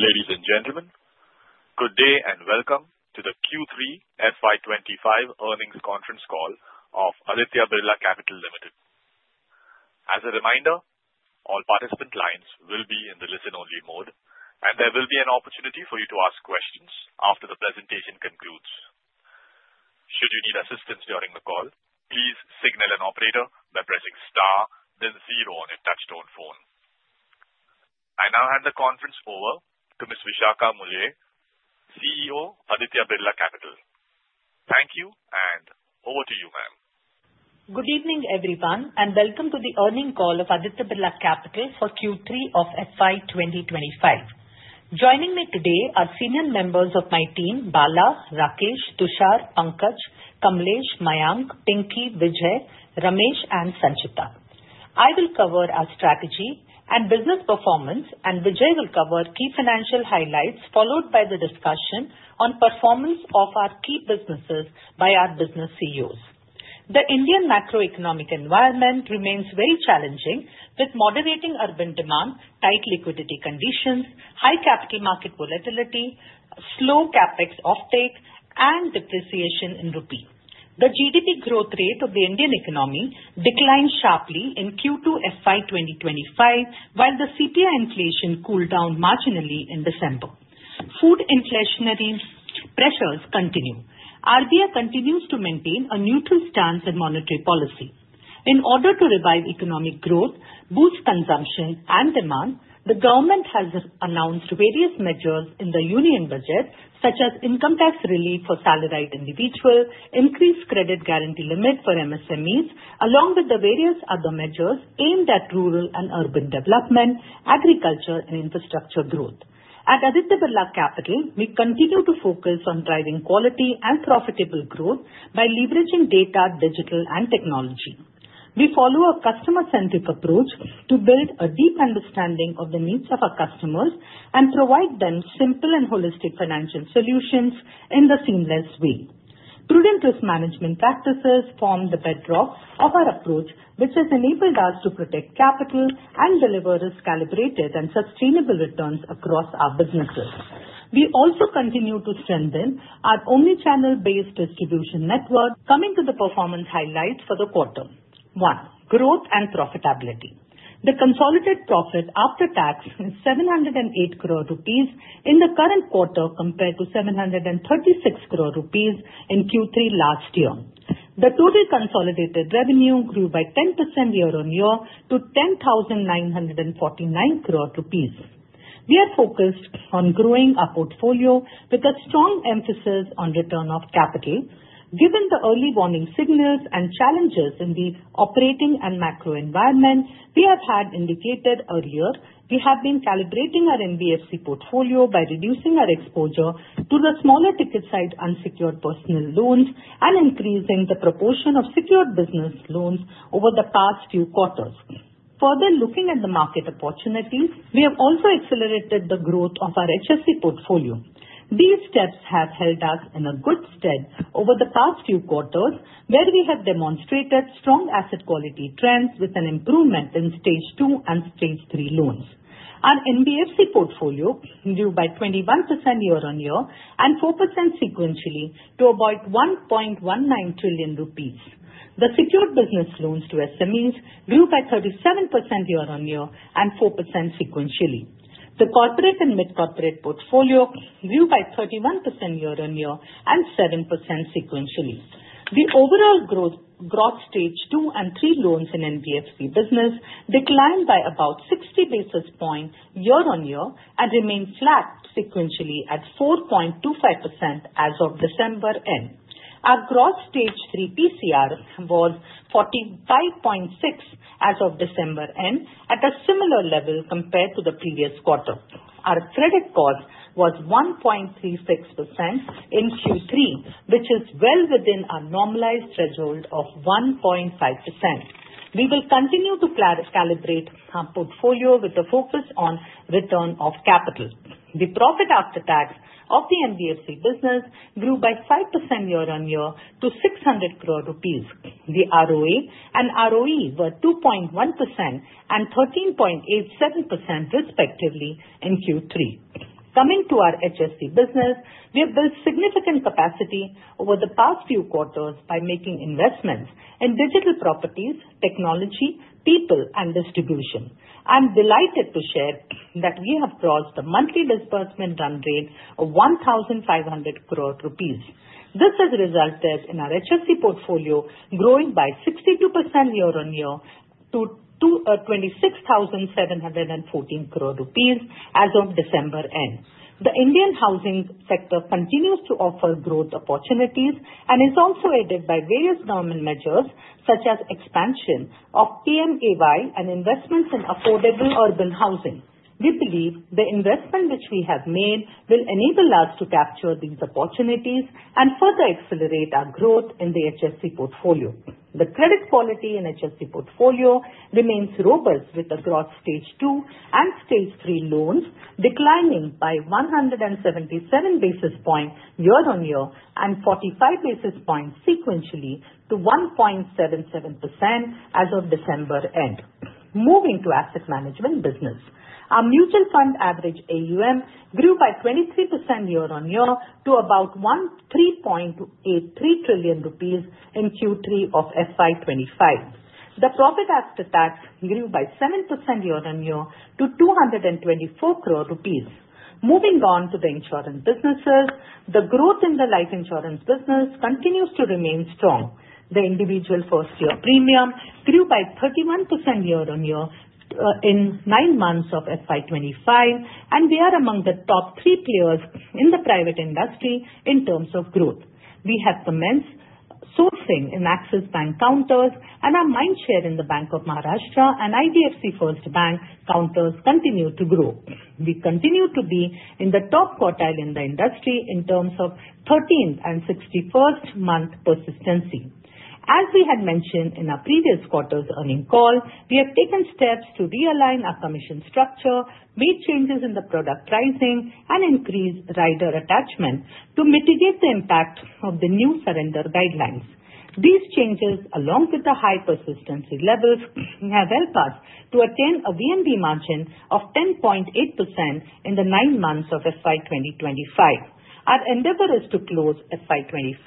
Ladies and gentlemen, good day and welcome to the Q3 FY25 earnings conference call of Aditya Birla Capital Ltd. As a reminder, all participant lines will be in listen-only mode and there will be an opportunity for you to ask questions after the presentation concludes. Should you need assistance during the call, please signal an operator by pressing star then zero on a touch-tone phone. I now hand the conference over to Ms. Vishakha Mulye, CEO, Aditya Birla Capital. Thank you and over to you, ma'am. Am. Good evening everyone and welcome to the earnings call of Aditya Birla Capital for Q3 of FY 2025. Joining me today are senior members of my team Bala, Rakesh, Tushar, Pankaj, Kamlesh, Mayank, Pinky, Vijay, Ramesh and Sanchita. I will cover our strategy and business performance and Vijay will cover key financial highlights followed by the discussion on performance of our key businesses by our business CEOs. The Indian macroeconomic environment remains very challenging with moderating urban demand, tight liquidity conditions, high capital market volatility, slow capex offtake and depreciation in rupee. The GDP growth rate of the Indian economy declined sharply in Q2 FY 2025 while the CPI inflation cooled down marginally in December. Food inflationary pressures continue. RBI continues to maintain a neutral stance in monetary policy in order to revive economic growth, boost consumption and demand. The government has announced various measures in the Union budget such as income tax relief for salaried individual, increased credit guarantee limit for MSMEs, along with the various other measures aimed at rural and urban development, agriculture and infrastructure growth. At Aditya Birla Capital we continue to focus on driving quality and profitable growth by leveraging data, digital and technology. We follow a customer centric approach to build a deep understanding of the needs of our customers and provide them simple and holistic financial solutions in the seamless way. Prudent risk management practices form the bedrock of our approach which has enabled us to protect capital and deliver risk calibrated and sustainable returns across our businesses. We also continue to strengthen our omnichannel based distribution network. Coming to the performance highlights for the Q1 Growth and profitability. The consolidated profit after tax is 708 crore rupees in the current quarter compared to 730 crore rupees in Q3 last year. The total consolidated revenue grew by 10% year on year to 10,949 crore rupees. We are focused on growing our portfolio with a strong emphasis on return of capital given the early warning signals and challenges in the operating and macro environment we have had indicated earlier. We have been calibrating our NBFC portfolio by reducing our exposure to the smaller ticket side unsecured personal loans and increasing the proportion of secured business loans over the past few quarters. Further, looking at the market opportunities, we have also accelerated the growth of our HFC portfolio. These steps have held us in a good stead over the past few quarters where we have demonstrated strong asset quality trends with an improvement in stage 2 and stage 3 loans. Our NBFC portfolio grew by 21% year on year and 4% sequentially to about 1.19 trillion rupees. The secured business loans to SMEs grew by 37% year on year and 4% sequentially. The corporate and mid corporate portfolio grew by 31% year on year and 7% sequentially. The overall gross stage 2 and 3 loans in NBFC business declined by about 60 basis points year on year and remained flat sequentially at 4.25% as of December end. Our gross stage 3 PCR was 45.6 as of December end at a similar level compared to the previous quarter. Our credit cost was 1.36% in Q3 which is well within our normalized threshold of 1.5%. We will continue to calibrate our portfolio with a focus on return of capital. The profit after tax of the NBFC business grew by 5% year on year to 600 crore rupees. The ROA and ROE were 2.1% and 13.87% respectively in Q3. Coming to our HFC business, we have built significant capacity over the past few quarters by making investments in digital properties, technology, people and distribution. I am delighted to share that we have crossed the monthly disbursement run rate of 1,500 crores rupees. This has resulted in our HFC portfolio growing by 62% year on year to 26,714 crore rupees as of December end. The Indian housing sector continues to offer growth opportunities and is also aided by various government measures such as expansion of PMAY and investments in affordable urban housing. We believe the investment which we have made will enable us to capture these opportunities and further accelerate our growth in the HFC portfolio. The credit quality in HFC portfolio remains robust with Stage 2 and Stage 3 loans declining by 177 basis points year on year and 45 basis points sequentially to 1.77% as of December end. Moving to asset management business, our mutual fund average AUM grew by 23% year on year to about 3.83 trillion rupees. In Q3 of FY25 the profit after tax grew by 7% year on year to 224 crore rupees. Moving on to the insurance businesses, the growth in the life insurance business continues to remain strong. The individual first year premium grew by 31% year on year in nine months of FY25 and we are among the top three players in the private industry in terms of growth. We have commenced sourcing in Axis Bank counters and our mindshare in the Bank of Maharashtra and IDFC First Bank counters continue to grow. We continue to be in the top quartile in the industry in terms of 13th and 61st month persistency. As we had mentioned in our previous quarter's earnings call, we have taken steps to realign our commission structure, made changes in the product pricing and increased rider attachment to mitigate the impact of the new surrender guidelines. These changes along with the high persistency levels have helped us to attain a VNB margin of 10.8% in the nine months of FY 2025. Our endeavor is to close FY25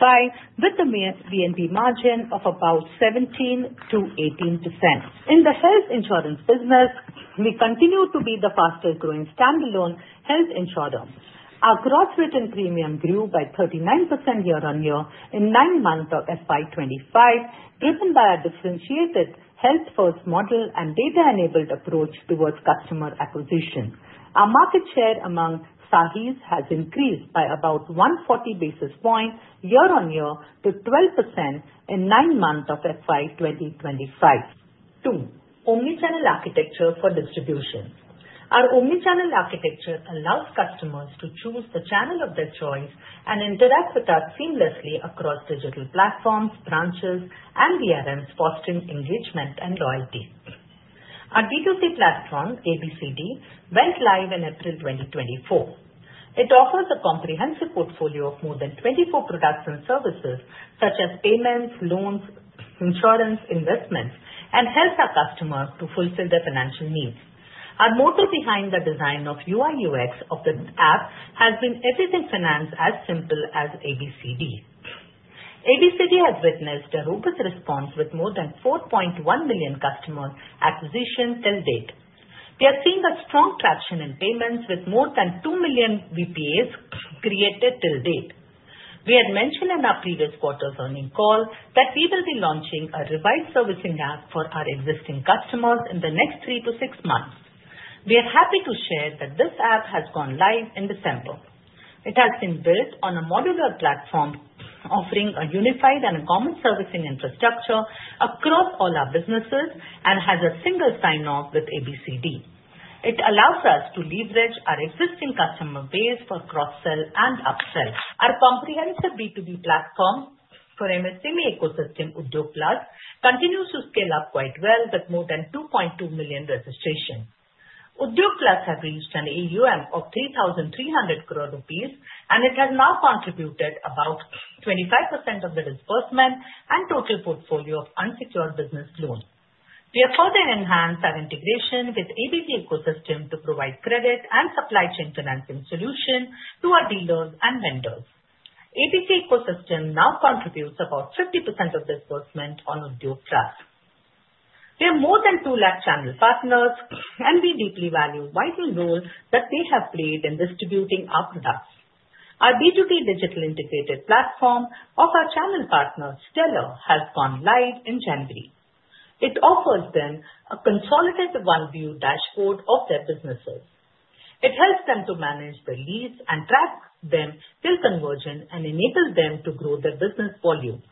with the VNB margin of about 17%-18%. In the health insurance business, we continue to be the fastest growing standalone health insurer. Our gross written premium grew by 39% year on year in nine months of FY25. Driven by a differentiated health-first model and data-enabled approach towards customer acquisition. Our market share among SAHIs has increased by about 140 basis points year on year to 12% in nine months of FY 2025. 2. Omnichannel architecture for distribution. Our omnichannel architecture allows customers to choose the channel of their choice and interact with us seamlessly across digital platforms, branches and VRMs, fostering engagement and loyalty. Our D2C platform ABCD went live in April 2024. It offers a comprehensive portfolio of more than 24 products and services such as payments, loans, insurance investments and helps our customers to fulfill their financial needs. Our motto behind the design of UI UX of the app has been everything Finance as simple as ABCD. ABCD has witnessed a robust response with more than 4.1 million customer acquisition till date. We are seeing a strong traction in payments with more than two million VPAs created till date. We had mentioned in our previous quarter's earnings call that we will be launching a revised servicing app for our existing customers in the next three to six months. We are happy to share that this app has gone live in December. It has been built on a modular platform offering a unified and common servicing infrastructure across all our businesses and has a single sign off with ABCD. It allows us to leverage our existing customer base for cross sell and upsell our comprehensive B2B platform for MSME ecosystem. Udyog Plus continues to scale up quite well with more than 2.2 million registrations. Udyog Plus has reached an AUM of 3,300 crore rupees and it has now contributed about 25% of the disbursement and total portfolio of unsecured business loans. We have further enhanced our integration with ABCD Ecosystem to provide credit and supply chain financing solution to our dealers and vendors. ABCD Ecosystem now contributes about 50% of disbursement on Udyog Plus. We have more than 2 lakh channel partners and we deeply value vital role that they have played in distributing our products. Our B2B digital integrated platform of our channel partner Stellar has gone live in January. It offers them a consolidated one view dashboard of their businesses. It helps them to manage the leads and track them till conversion and enable them to grow their business volume.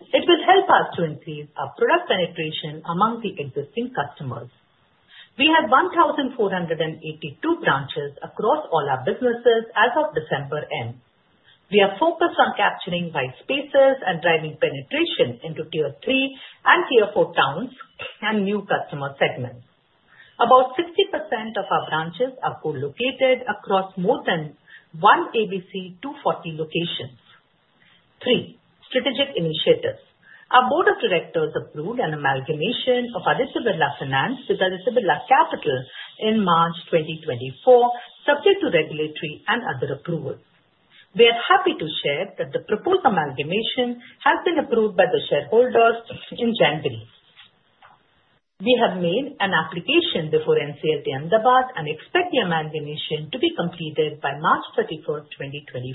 It will help us to increase our product penetration among the existing customers. We have 1,482 branches across all our businesses as of December end. We are focused on capturing white spaces and driving penetration into tier 3 and tier 4 towns and new customer segments. About 60% of our branches are co-located across more than 1,240 locations. 3. Strategic initiatives, our Board of Directors approved an amalgamation of Aditya Birla Finance with Aditya Birla Capital in March 2024 subject to regulatory and other approvals. We are happy to share that the proposed amalgamation has been approved by the shareholders in January. We have made an application before NCLT Ahmedabad and expect the amalgamation to be completed by 31st March 2025.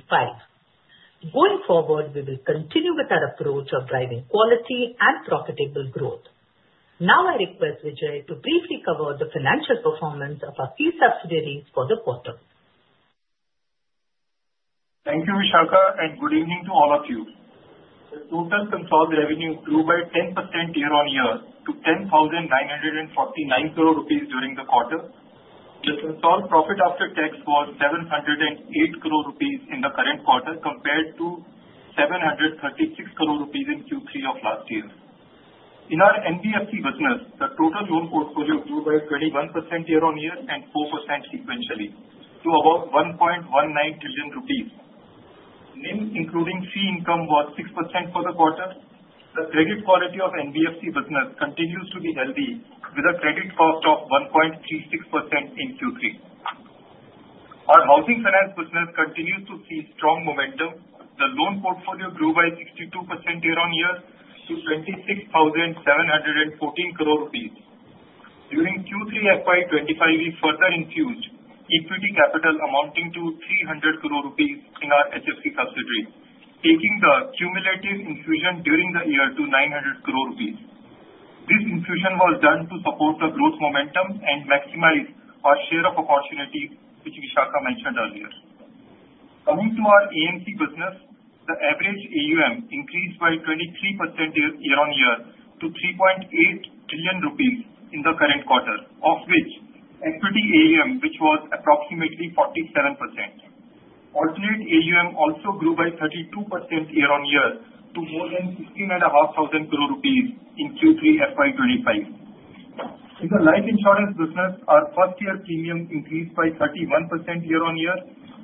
Going forward, we will continue with our approach of driving quality and profitable growth. Now I request Vijay to briefly cover the financial performance of our key subsidiaries for the quarter. Thank you Vishakha and good evening to all of you. The total consolidated revenue grew by 10% year on year to 10,949 crore rupees during the quarter. The consolidated profit after tax was 708 crore rupees in the current quarter compared to 736 crore rupees in Q3 of last year. In our NBFC business, the total loan portfolio grew by 21% year on year and 24% sequentially to about 1.19 trillion rupees. NIM including fee income was 6% for the quarter. The credit quality of NBFC business continues to be healthy with a credit cost of 1.36% in Q3. Our housing finance business continues to see strong momentum. The loan portfolio grew by 62% year on year to 26,714 crore rupees during Q3 FY25. We further infused equity capital amounting to 300 crore rupees in our HFC subsidiary taking the cumulative infusion during the year to 900 crore rupees. This infusion was done to support the growth momentum and maximize our share of opportunity which Vishakha mentioned earlier. Coming to our AMC business, the average AUM increased by 23% year on year to 3.8 trillion rupees in the current quarter of which equity AUM which was approximately 47% alternate AUM also grew by 32% year on year to more than 16.5 thousand crore rupees in Q3FY25. In the life insurance business our first year premium increased by 31% year on year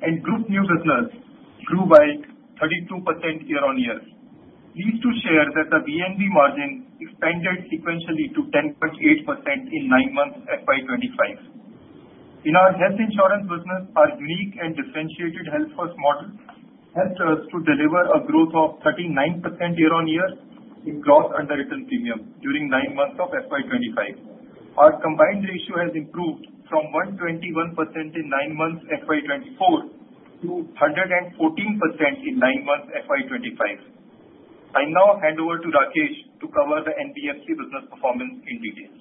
and group new business grew by 32% year on year. Pleased to share that the VNB margin expanded sequentially to 10.8% in nine months FY25. In our health insurance business, our unique and differentiated health first model helped us to deliver a growth of 39% year on year in gross underwritten premium during nine months of FY25. Our combined ratio has improved from 121% in nine months FY20 to 114% in nine months FY25. I now hand over to Rakesh to cover the NBFC business performance in detail.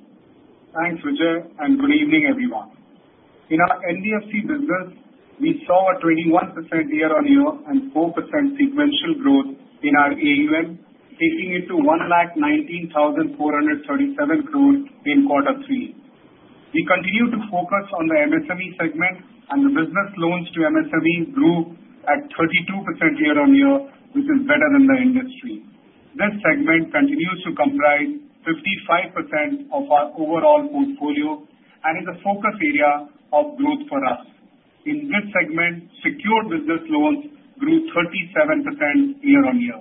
Thanks Vijay and good evening everyone. In our NBFC business we saw a 21% year on year and 4% sequential growth in our AUM taking it to 119,437 crore in Q3. We continue to focus on the MSME segment and the business loans to MSME grew at 32% year on year which is better than the industry. This segment continues to comprise 55% of our overall portfolio and is a focus area of growth for us. In this segment secured business loans grew 37% year on year.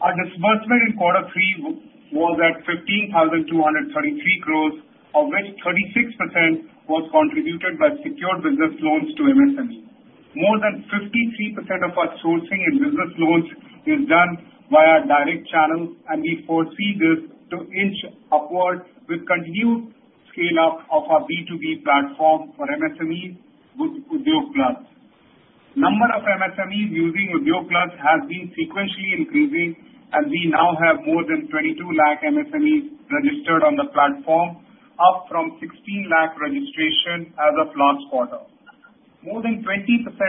Our disbursement in Q3 was at 15,233 crores of which 36% was contributed by secured business loans to MSME. More than 53% of our sourcing and business loans is done via direct channel and we foresee this to inch upward with continued scale up of our B2B platform for MSMEs. Udyog Plus. Number of MSMEs using Udyog Plus has been sequentially increasing and we now have more than 22 lakh MSMEs registered on the platform up from 16 lakh registrations as of last quarter. More than 20%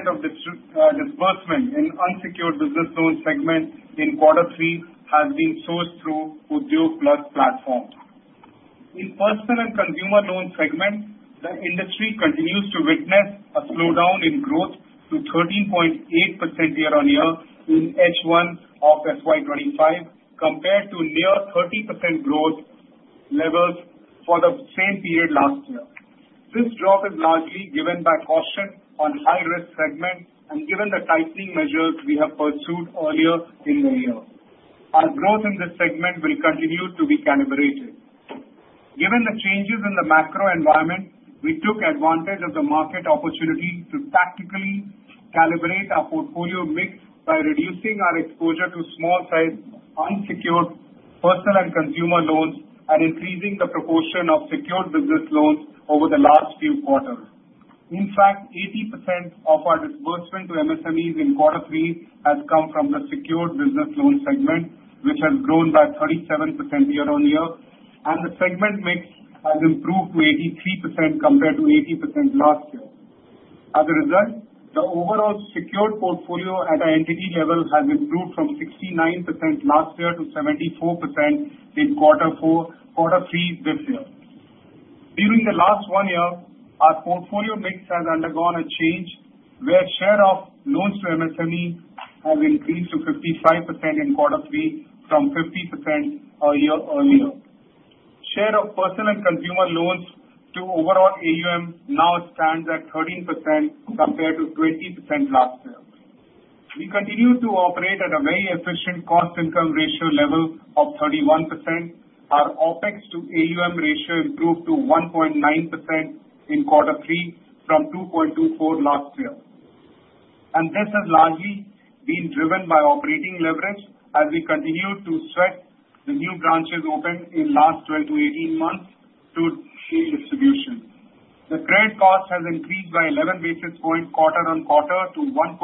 of disbursement in unsecured business loan segment in Q3 has been sourced through Udyog Plus platform. In personal and consumer loan segment the industry continues to witness a slowdown in growth to 13.8% year on year in H1 of FY25 compared to near 30% growth levels for the same period last year. This drop is largely driven by caution on high-risk segment and given the tightening measures we have pursued earlier in the year. Our growth in this segment will continue to be calibrated given the changes in the macro environment. We took advantage of the market opportunity to tactically calibrate our portfolio mix by reducing our exposure to small size unsecured personal and consumer loans and increasing the proportion of secured business loans over the last few quarters. In fact, 80% of our disbursement to MSMEs in Q3 has come from the secured business loan segment which has grown by 37% year on year and the segment mix has improved to 83% compared to 80% last year. As a result, the overall secured portfolio at an entity level has improved from 69% last year to 74% in Q4 Q3 this year. During the last one year our portfolio mix has undergone a change where share of loans to MSME has increased to 55% in Q3 from 50% a year earlier. Share of personal and consumer loans to overall AUM now stands at 13% compared to 20% last year. We continue to operate at a very efficient cost income ratio level of 31%. Our OpEx to AUM ratio improved to 1.9% in Q3 from 2.24% last year and this has largely been driven by operating leverage as we continue to sweat the new branches opened in last 12 to 18 months to shield distribution. The credit cost has increased by 11 basis points quarter on quarter to 1.36%,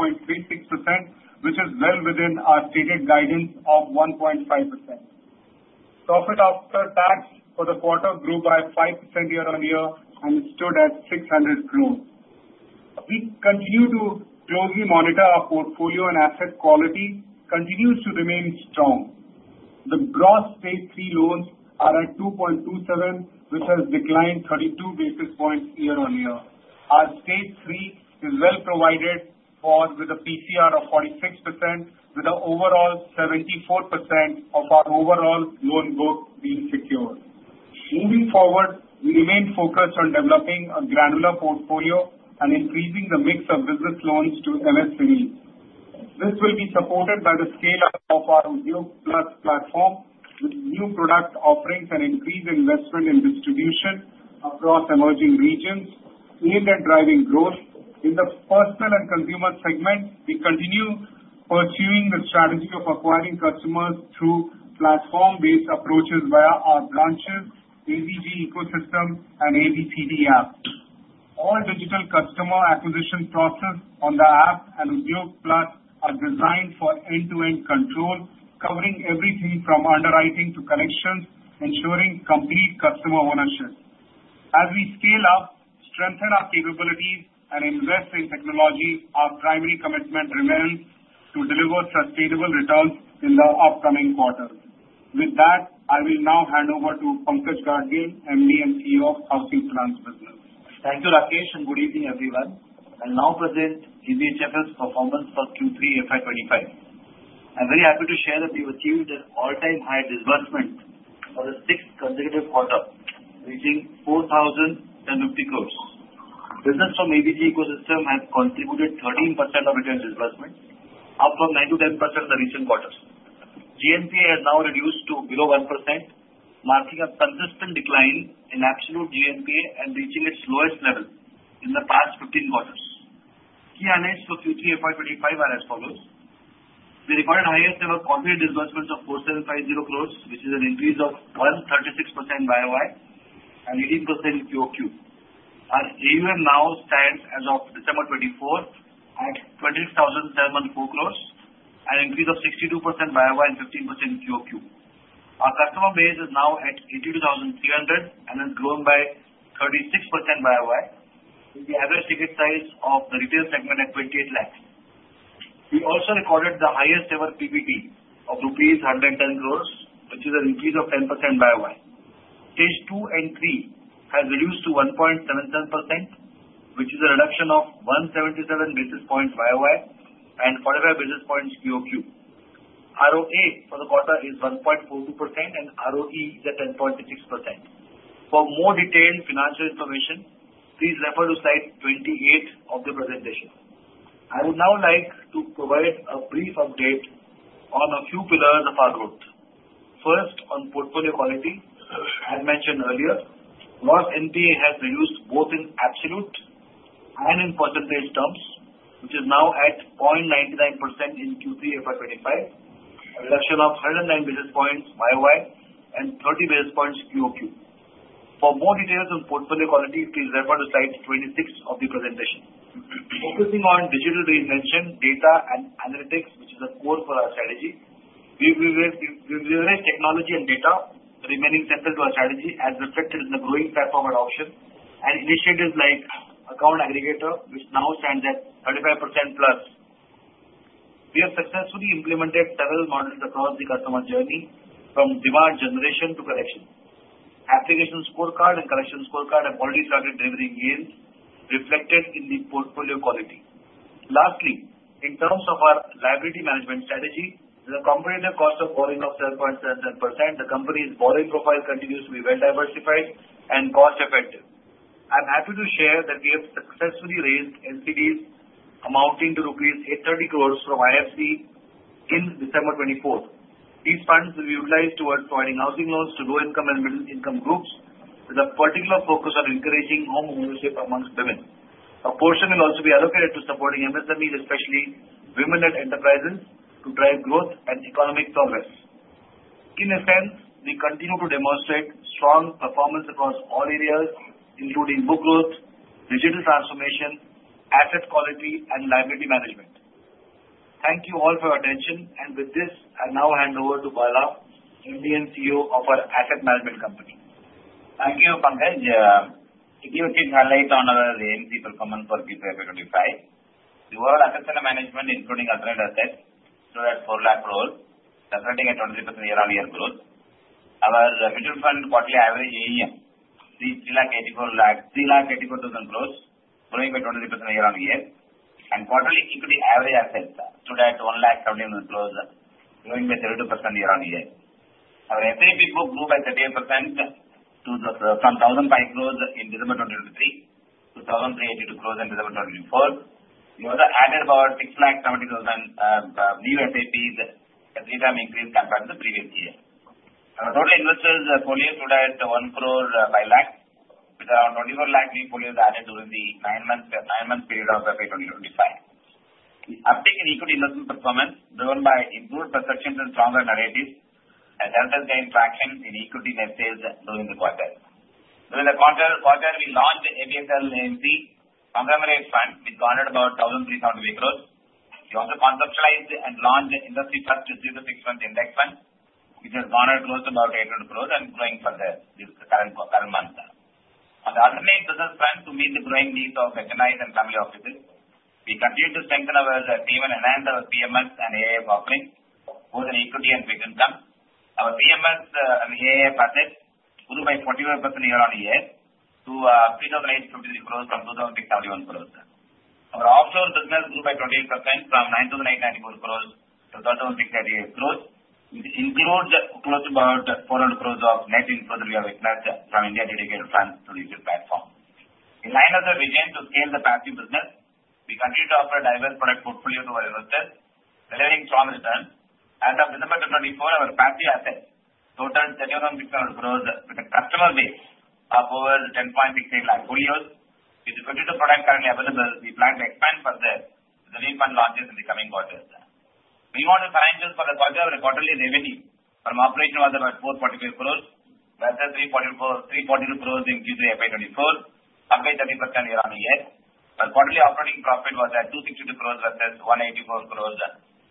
which is well within our stated guidance of 1.5%. Profit after tax for the quarter grew by 5% year on year and stood at 600 crores. We continue to closely monitor our portfolio and asset quality continues to remain strong. The gross Stage 3 loans are at 2.27%, which has declined 32 basis points year on year. Our Stage 3 is well provided with a PCR of 46% with the overall 74% of our overall loan book being secured. Moving forward we remain focused on developing a granular portfolio and increasing the mix of business loans to MSMEs. This will be supported by the scale up of our Udyog Plus platform with new product offerings and increased investment in distribution across emerging regions aimed at driving growth in the personal and consumer segment. We continue pursuing the strategy of acquiring customers through platform-based approaches via our branches ABG Ecosystem and ABCD App. All digital customer acquisition process on the app and Udyog Plus are designed for end-to-end control covering everything from underwriting to connections, ensuring complete customer ownership. As we scale up, strengthen our capabilities and invest in technology, our primary commitment remains to deliver sustainable returns in the upcoming quarters. With that, I will now hand over to Pankaj Gadgil MD and CEO of Housing Finance Business. Thank you Rakesh and good evening everyone. I'll now present ABHFL's performance for Q3 FY25. I'm very happy to share that we've achieved an all-time high disbursement for the 6th consecutive quarter reaching 4,001.05 crores. Business from ABG ecosystem has contributed 13% of its disbursement up from 9-10% in the recent quarters. GNPA has now reduced to below 1% marking a consistent decline in absolute GNPA and reaching its lowest level in the past 15 quarters. Key highlights for Q3 FY25 are as follows. The recorded highest ever home loan disbursements of 4,750 crores which is an increase of 136% YoY and 18%. Our AUM now stands as of December 24th at 26,700 crores, an increase of 62% YoY and 15% QoQ. Our customer base is now at 82,300 and has grown by 36% YoY with the average ticket size of the retail segment at 28 lakhs. We also recorded the highest ever PAT of rupees 110 crores which is an increase of 10% YoY. Stage 2 and 3 has reduced to 1.77% which is a reduction of 177 basis points YoY and 45 basis points QoQ. ROA for the quarter is 1.42% and ROE is at 10.66%. For more detailed financial information please refer to slide 28 of the presentation. I would now like to provide a brief update on a few pillars of our growth. First, on portfolio quality. As mentioned earlier, the NPA has reduced both in absolute and in percentage terms which is now at 0.99% in Q3 FY25 a reduction of 109 basis points YoY and 30 basis points QoQ. For more details on portfolio quality, please refer to slide 26 of the presentation. Focusing on digital reinvention, data and analytics, which is a core for our strategy, we will realize technology and data remaining central to our strategy as reflected in the growing platform adoption and initiatives like Account Aggregator, which now stands at 35% plus. We have successfully implemented several models across the customer journey from demand generation to collection. Application Scorecard and Collection Scorecard have already started delivering yield reflected in the portfolio quality. Lastly, in terms of our liability management strategy, the comparative cost of borrowing of 7.7%. The company's borrowing profile continues to be well diversified and cost effective. I'm happy to share that we have successfully raised NCDs amounting to rupees 830 crores from IFC in December 2024. These funds will be utilized towards providing housing loans to low income and middle income groups with a particular focus on encouraging home ownership among women. A portion will also be allocated to supporting MSMEs, especially women led enterprises to drive growth and economic progress. In a sense we continue to demonstrate strong performance across all areas including book growth, digital transformation, asset quality and liability management. Thank you all for your attention and with this I now hand over to Bala, MD and CEO of our asset management company. Thank you, Pankaj. To give a quick highlight on our AMC performance for FY25. The overall assets under management including alternate assets stood at 4 lakh crore representing a 23% year on year growth. Our mutual fund quarterly average AUM is INR 3.84 lakh crore growing by 23% year on year and quarterly equity average assets stood at INR 171 crore growing by 32% year on year. Our SIP book grew by 38% to INR 1,382 crore from 1,005 crore in December 2023 to 1,382 crore in December 2024. We also added about 670,000 new SIPs, a three times increase compared to the previous year. Total investor folios today at 1 crore 25 lakh with around 24 lakh new folios added during the nine month period of FY 2025. The uptick in equity investment performance driven by improved perceptions and stronger narratives has helped us gain traction in equity net sales during the quarter. During the quarter we launched ABSL AMC Conglomerate Fund which garnered about 1,300 crore. We also conceptualized and launched the industry first 6-month index fund which has garnered close to about 800 crores and growing for the current month on the alternate business plan to meet the growing needs of HNIs and family offices. We continue to strengthen our team and enhance our PMS and AIF offerings both in equity and fixed income. Our PMS AUM % grew by 41% year on year to 3,853 crores from 2,631 crores. Our offshore business grew by 28% from 994 crores to 2,638 crores which includes close to about 400 crores of net inflows. We have expanded from India dedicated funds to digital platform. In line with the vision to scale the passive business, we continue to offer a diverse product portfolio to our investors delivering strong returns. As of December 24th our passive assets totaled INR 7,600 crores with a customer base of over 10.68 lakh folios. With the potential product currently available, we plan to expand further the new fund launches in the coming quarters. Our financials for the quarter were. Quarterly revenue from operations was about INR 445 crores versus INR 342 crores in Q3 FY24 up by 30% year on year while quarterly operating profit was at INR 262 crores versus INR 184 crores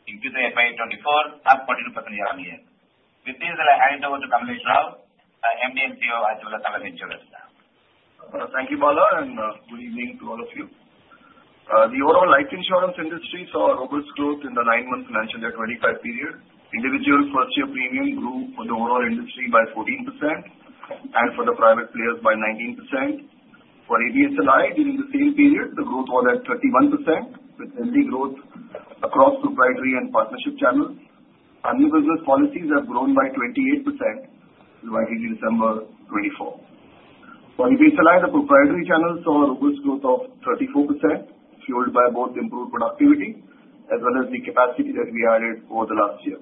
in Q3 FY24 up 42% year on year. With this I hand it over to Kamlesh Rao MD and CEO as well. Thank you Bala and good evening to all of you. The overall life insurance industry saw robust growth in the nine-month financial year 25 period. Individual first-year premium grew for the overall industry by 14% and for the private players by 19%. For ABSLI during the same period the growth was at 31%. With healthy growth across proprietary and partnership channels, our new business policies have grown by 28%. December 2024 for the baseline, the proprietary channel saw robust growth of 34% fueled by both improved productivity as well as the capacity that we added over the last year.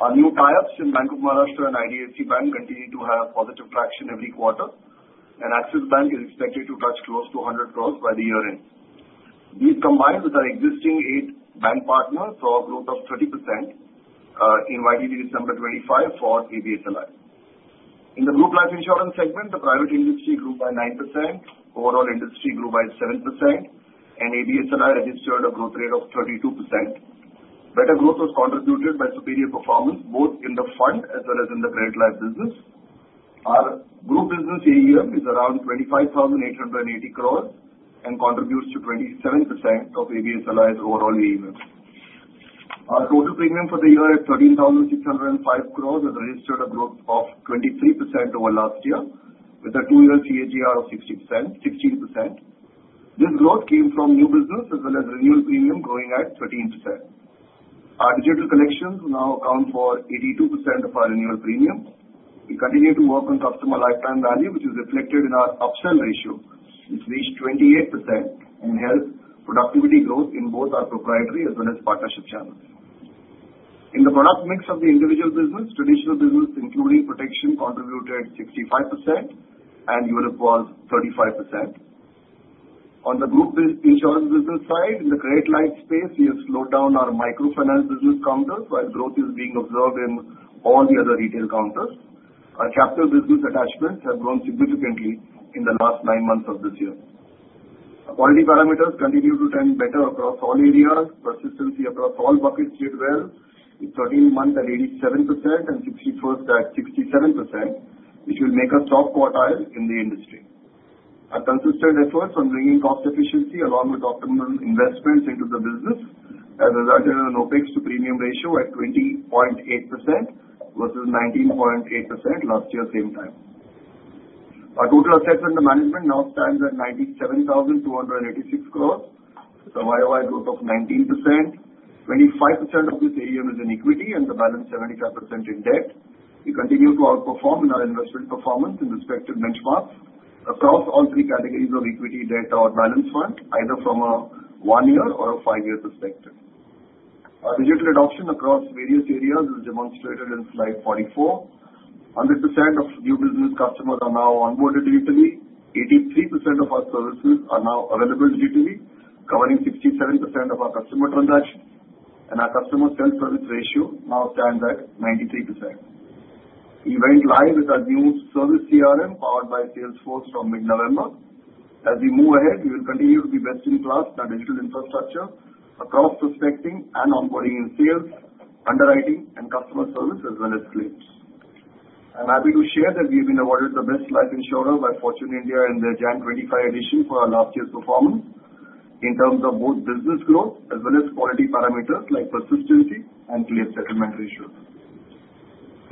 Our new tie-ups in Bank of Maharashtra and IDFC First Bank continue to have positive traction every quarter and Axis Bank is expected to touch close to 100 crores by the year-end. These combined with our existing eight bank partners saw growth of 30% in YTD December 2025 for ABSLI. In the group life insurance segment, the private industry grew by 9%. Overall industry grew by 7% and ABSLI registered a growth rate of 32%. Better growth was contributed by superior performance both in the fund as well as in the credit life business. Our group business AUM is around 25,880 crores and contributes to 27% of ABSLI's overall AUM. Our total premium for the year is 13,605 crores, has registered a growth of 23% over last year with a two-year CAGR of 60.16%. This growth came from new business as well as renewal premium growing at 13%. Our digital collections now account for 82% of our annual premium. We continue to work on customer lifetime value, which is reflected in our upsell ratio reached 28% and helped productivity growth in both our proprietary as well as partnership channels. In the product mix of the individual business, traditional business including protection contributed 65% and unit-linked was 35%. On the group insurance business side in the credit life space we have slowed down our micro finance business counter while growth is being observed in all the other retail counters. Our capital business attachments have grown significantly in the last nine months of this year. Quality parameters continue to trend better across all areas. Persistency across all buckets did well 13 months at 87% and 61st at 67% which will make us top quartile in the industry. Our consistent efforts on bringing cost efficiency along with optimal investments into the business has resulted in an OpEx to premium ratio at 20% versus 19.8% last year same time. Our total assets under management now stands at 97,286 crores. YoY growth of 19%. 25% of this area is in equity and the balance 75% in debt. We continue to outperform in our investment performance in respect to benchmarks across all three categories of equity, debt or balance fund either from a one year or a four five year perspective. Our digital adoption across various areas is demonstrated in slide 44. 100% of new business customers are now onboarded digitally, 83% of our services are now available digitally covering 67% of our customer transactions and our customer self-service ratio now stands at 93%. Event Live is our new service CRM powered by Salesforce from mid November. As we move ahead, we will continue to be best in class in our digital infrastructure across prospecting and onboarding, in sales, underwriting and customer service as well as claims. I'm happy to share that we have been awarded the Best Life Insurer by Fortune India in their January 25th edition for our last year's performance in terms of both business growth as well as quality parameters like persistency and claim settlement ratios.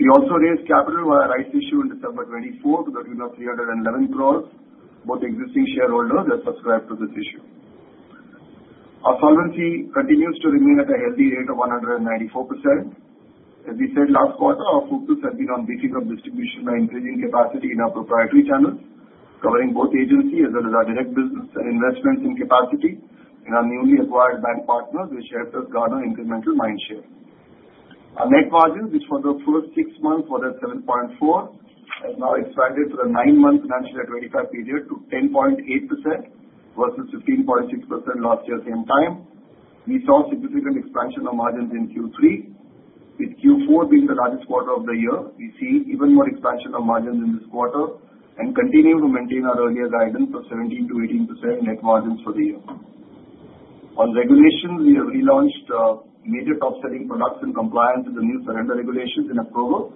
We also raised capital via rights issue in December 2024 to the tune of 311 crore. Both existing shareholders have subscribed to this issue. Our solvency continues to remain at a healthy rate of 194%. As we said last quarter, our focus has been on beefing up distribution by increasing capacity in our proprietary channels covering both agency as well as our direct business and investments in capacity in our newly acquired bank partners which helped us garner incremental mindshare. Our net margin which was the first six months was at 7.4% has now expanded to the nine-month financial year 25 period to 10.8% versus 15.6% last year. At the same time we saw significant expansion of margins in Q3 with Q4 being the largest quarter of the year. We see even more expansion of margins in this quarter and continue to maintain our earlier guidance of 17%-18% net margins for the year on regulations. We have relaunched major top-selling products in compliance with the new surrender regulations in April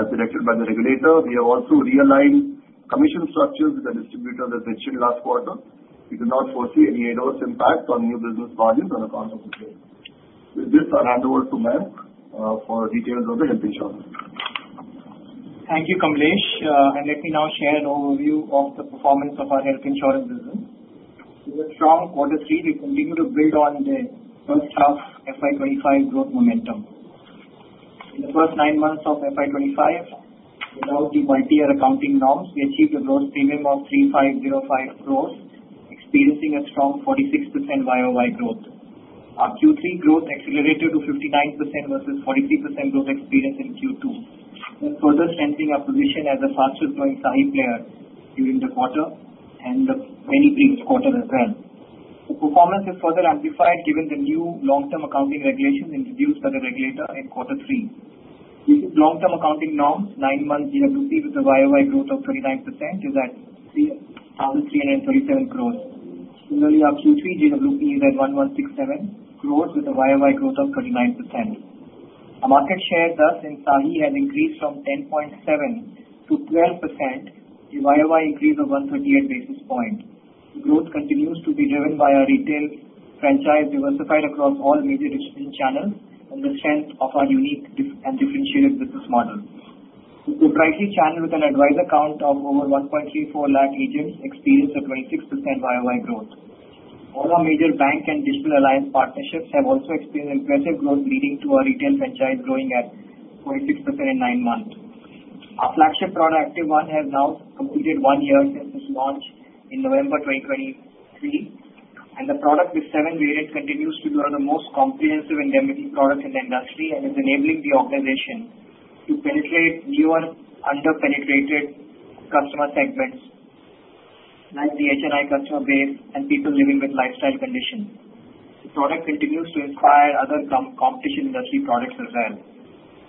as directed by the regulator. We have also realigned commission structures with the distributors. As mentioned last quarter, we do not foresee any adverse impact on new business margins on account of the change. With this, I'll hand over to Mayank for details of the health insurance. Thank you, Kamlesh. Let me now share. An overview of the performance of our health insurance business. Strong Q3, we continue to build on the first half FY25 growth momentum. In the first nine months of FY25 without the multi-year accounting norms, we achieved a gross premium of 3,505 crores experiencing a strong 46% YoY growth. Our Q3 growth accelerated to 59% versus 43% and growth experienced in Q2 further strengthening our position as the fastest growing SAHI player during the quarter and the many previous quarters as well. Performance is further amplified given the new long-term accounting regulations introduced by the regulator in Q3. Under the long-term accounting norms, nine months GWP with a YoY growth of 39% is at 337 crores. Similarly, Q3 GWP is at 101 with a YoY growth of 39%. Our market share thus in SAHI has increased from 10.7 to 12%, a YoY increase of 138 basis points. Growth continues to be driven by our retail franchise diversified across all major distribution channels and the strength of our unique and differentiated business model. We're broadly channeled with an advisor count of over 1.34 lakh. Region experienced a 26% YoY growth. All our major bank and digital alliance partnerships have also experienced impressive growth leading to our retail franchise growing at 46% in nine months. Our flagship product Activ One has now completed one year since its launch in November 2023 and the product with seven variants continues. To be one of the most comprehensive. Indemnity products in the industry and is enabling the organization to penetrate newer underpenetrated customer segments like the HNI customer base and people living with lifestyle conditions. The product continues to inspire other competition industry products as well.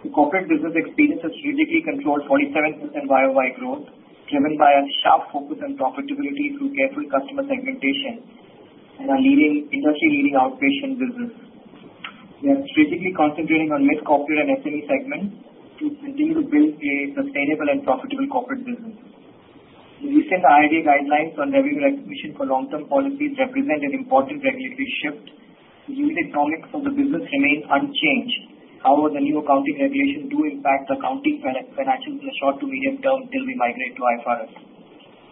The corporate business experience has strategically controlled 47% YoY growth driven by a sharp focus on profitability through careful customer segmentation and a leading industry leading outpatient business. We are strategically concentrating on mid corporate and SME segments to continue to build a sustainable and profitable corporate business. The recent IRA guidelines on revenue recognition for long term policies represent an important regulatory shift. The unit economics of the business remain unchanged. However, the new accounting regulation do impact the accounting financials in the short to medium term until we migrate to IFRS.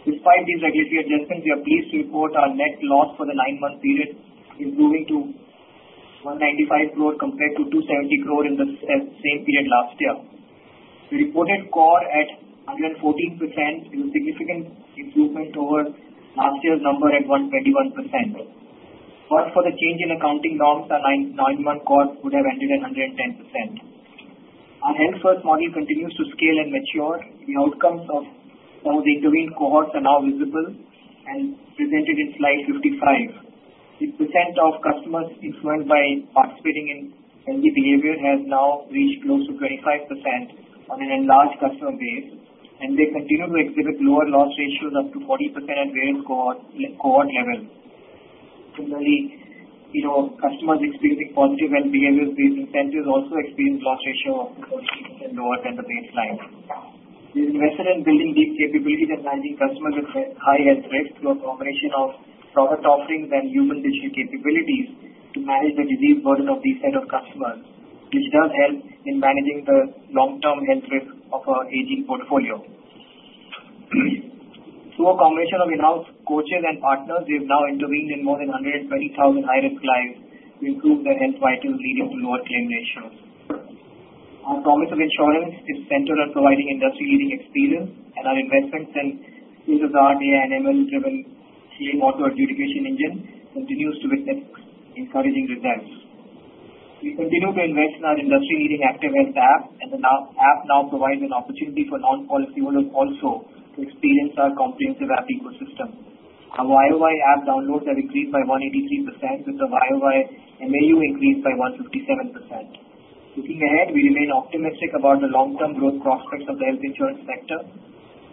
Despite these regulatory adjustments, we are pleased to report our net loss for the nine-month period improving to 195 crore compared to 270 crore in the same period last year. We reported COR at 114% with a significant improvement over last year's number at 121%. But for the change in accounting norms, our nine-month COR would have ended at 110%. Our Health first model continues to scale and mature. The outcomes of some of the intervened cohorts are now visible and presented in Slide 55. The percent of customers influenced by participating in healthy behavior has now reached close to 25% on an enlarged customer base and they continue to exhibit lower loss ratios up to 40% at various cohort levels. Similarly, customers experiencing positive and behaviors based incentives also experience loss ratio of lower than the baseline. We've invested in building these capabilities and managing customers with high health risk through a combination of product offerings and human digital capabilities to manage the disease burden of these set of customers, which does help in managing the long-term health risk of an aging portfolio. Through a combination of in-house coaches and partners, we've now intervened in more than 120 to improve their health vitals, leading to lower claim ratios. Our promise of insurance is centered on providing industry-leading experience, and our investments in business R&D and ML-driven claim auto adjudication engine continue to witness encouraging results. We continue to invest in our industry-leading Activ Health App, and the app now provides an opportunity for non-policyholders also to experience our customer's comprehensive app ecosystem. Our Activ app downloads have increased by 183% with the YoY MAU increased by 157%. Looking ahead, we remain optimistic about the long term growth prospects of the health insurance sector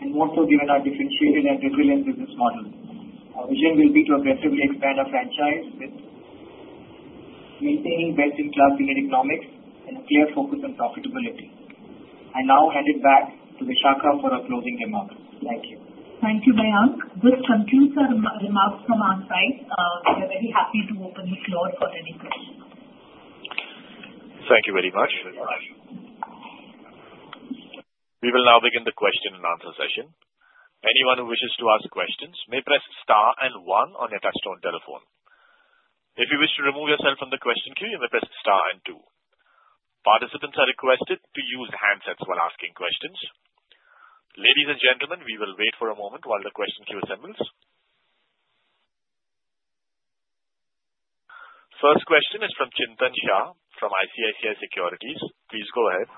and more. So given our differentiated and resilient business model, our vision will be to aggressively expand our franchise with maintaining best in class unit economics and a clear focus on profitability. I now hand it back to Vishakha for a closing remark. Thank you. Thank you. Mayank. This concludes our remarks from our side. We are very happy to open the floor for any questions. Thank you very much. We will now begin the question and answer session. Anyone who wishes to ask questions may press star and one on your touch-tone telephone. If you wish to remove yourself from the question queue, you may press star and two. Participants are requested to use handsets while asking questions. Ladies and gentlemen, we will wait for a moment while the question queue assembles. First question is from Chintan Shah from ICICI Securities. Please go ahead.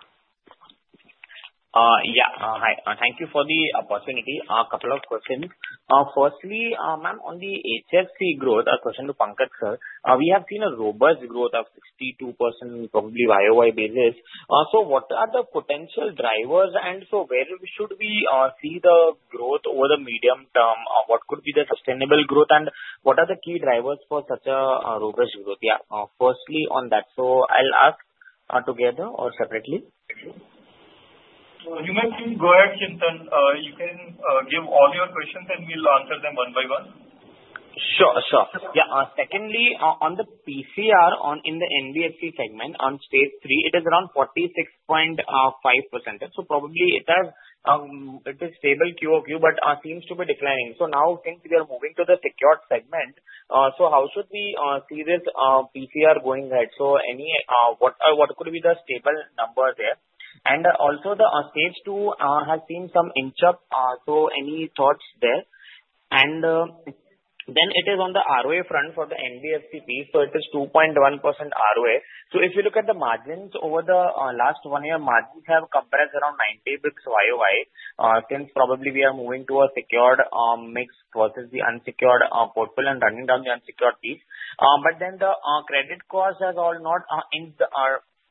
Yeah, hi. Thank you for the opportunity. A couple of questions. Firstly, ma'am, on the HFC growth. A question to Pankaj sir. We have seen a robust growth of. 62% probably YoY basis. So what are the potential drivers? And so where should we see the. Growth over the medium term? What could be the sustainable growth and what are the key drivers for such a robust growth? Yeah, firstly on that. So I'll ask together or separately? You may go ahead. Chintan, you can give all your questions. We'll answer them one by one. Sure, sure. Yeah. Secondly on the PCR in the NBFC segment on stage three it is around 46.5% so probably it has. It is stable QoQ but seems to be declining. So now since we are moving to the secured segment so how should we see this PCR going ahead? So any what what could be the stable number there? And also the stage two has seen some inched up. So any thoughts there? And then it is on the ROA front for the NBFCP. So it is 2.1% ROA. So if you look at the margins over the last one year margins have compressed around 90 basis points yoy since probably we are moving to a secured mix versus the unsecured portfolio and running down the unsecured piece. But then the credit cost has not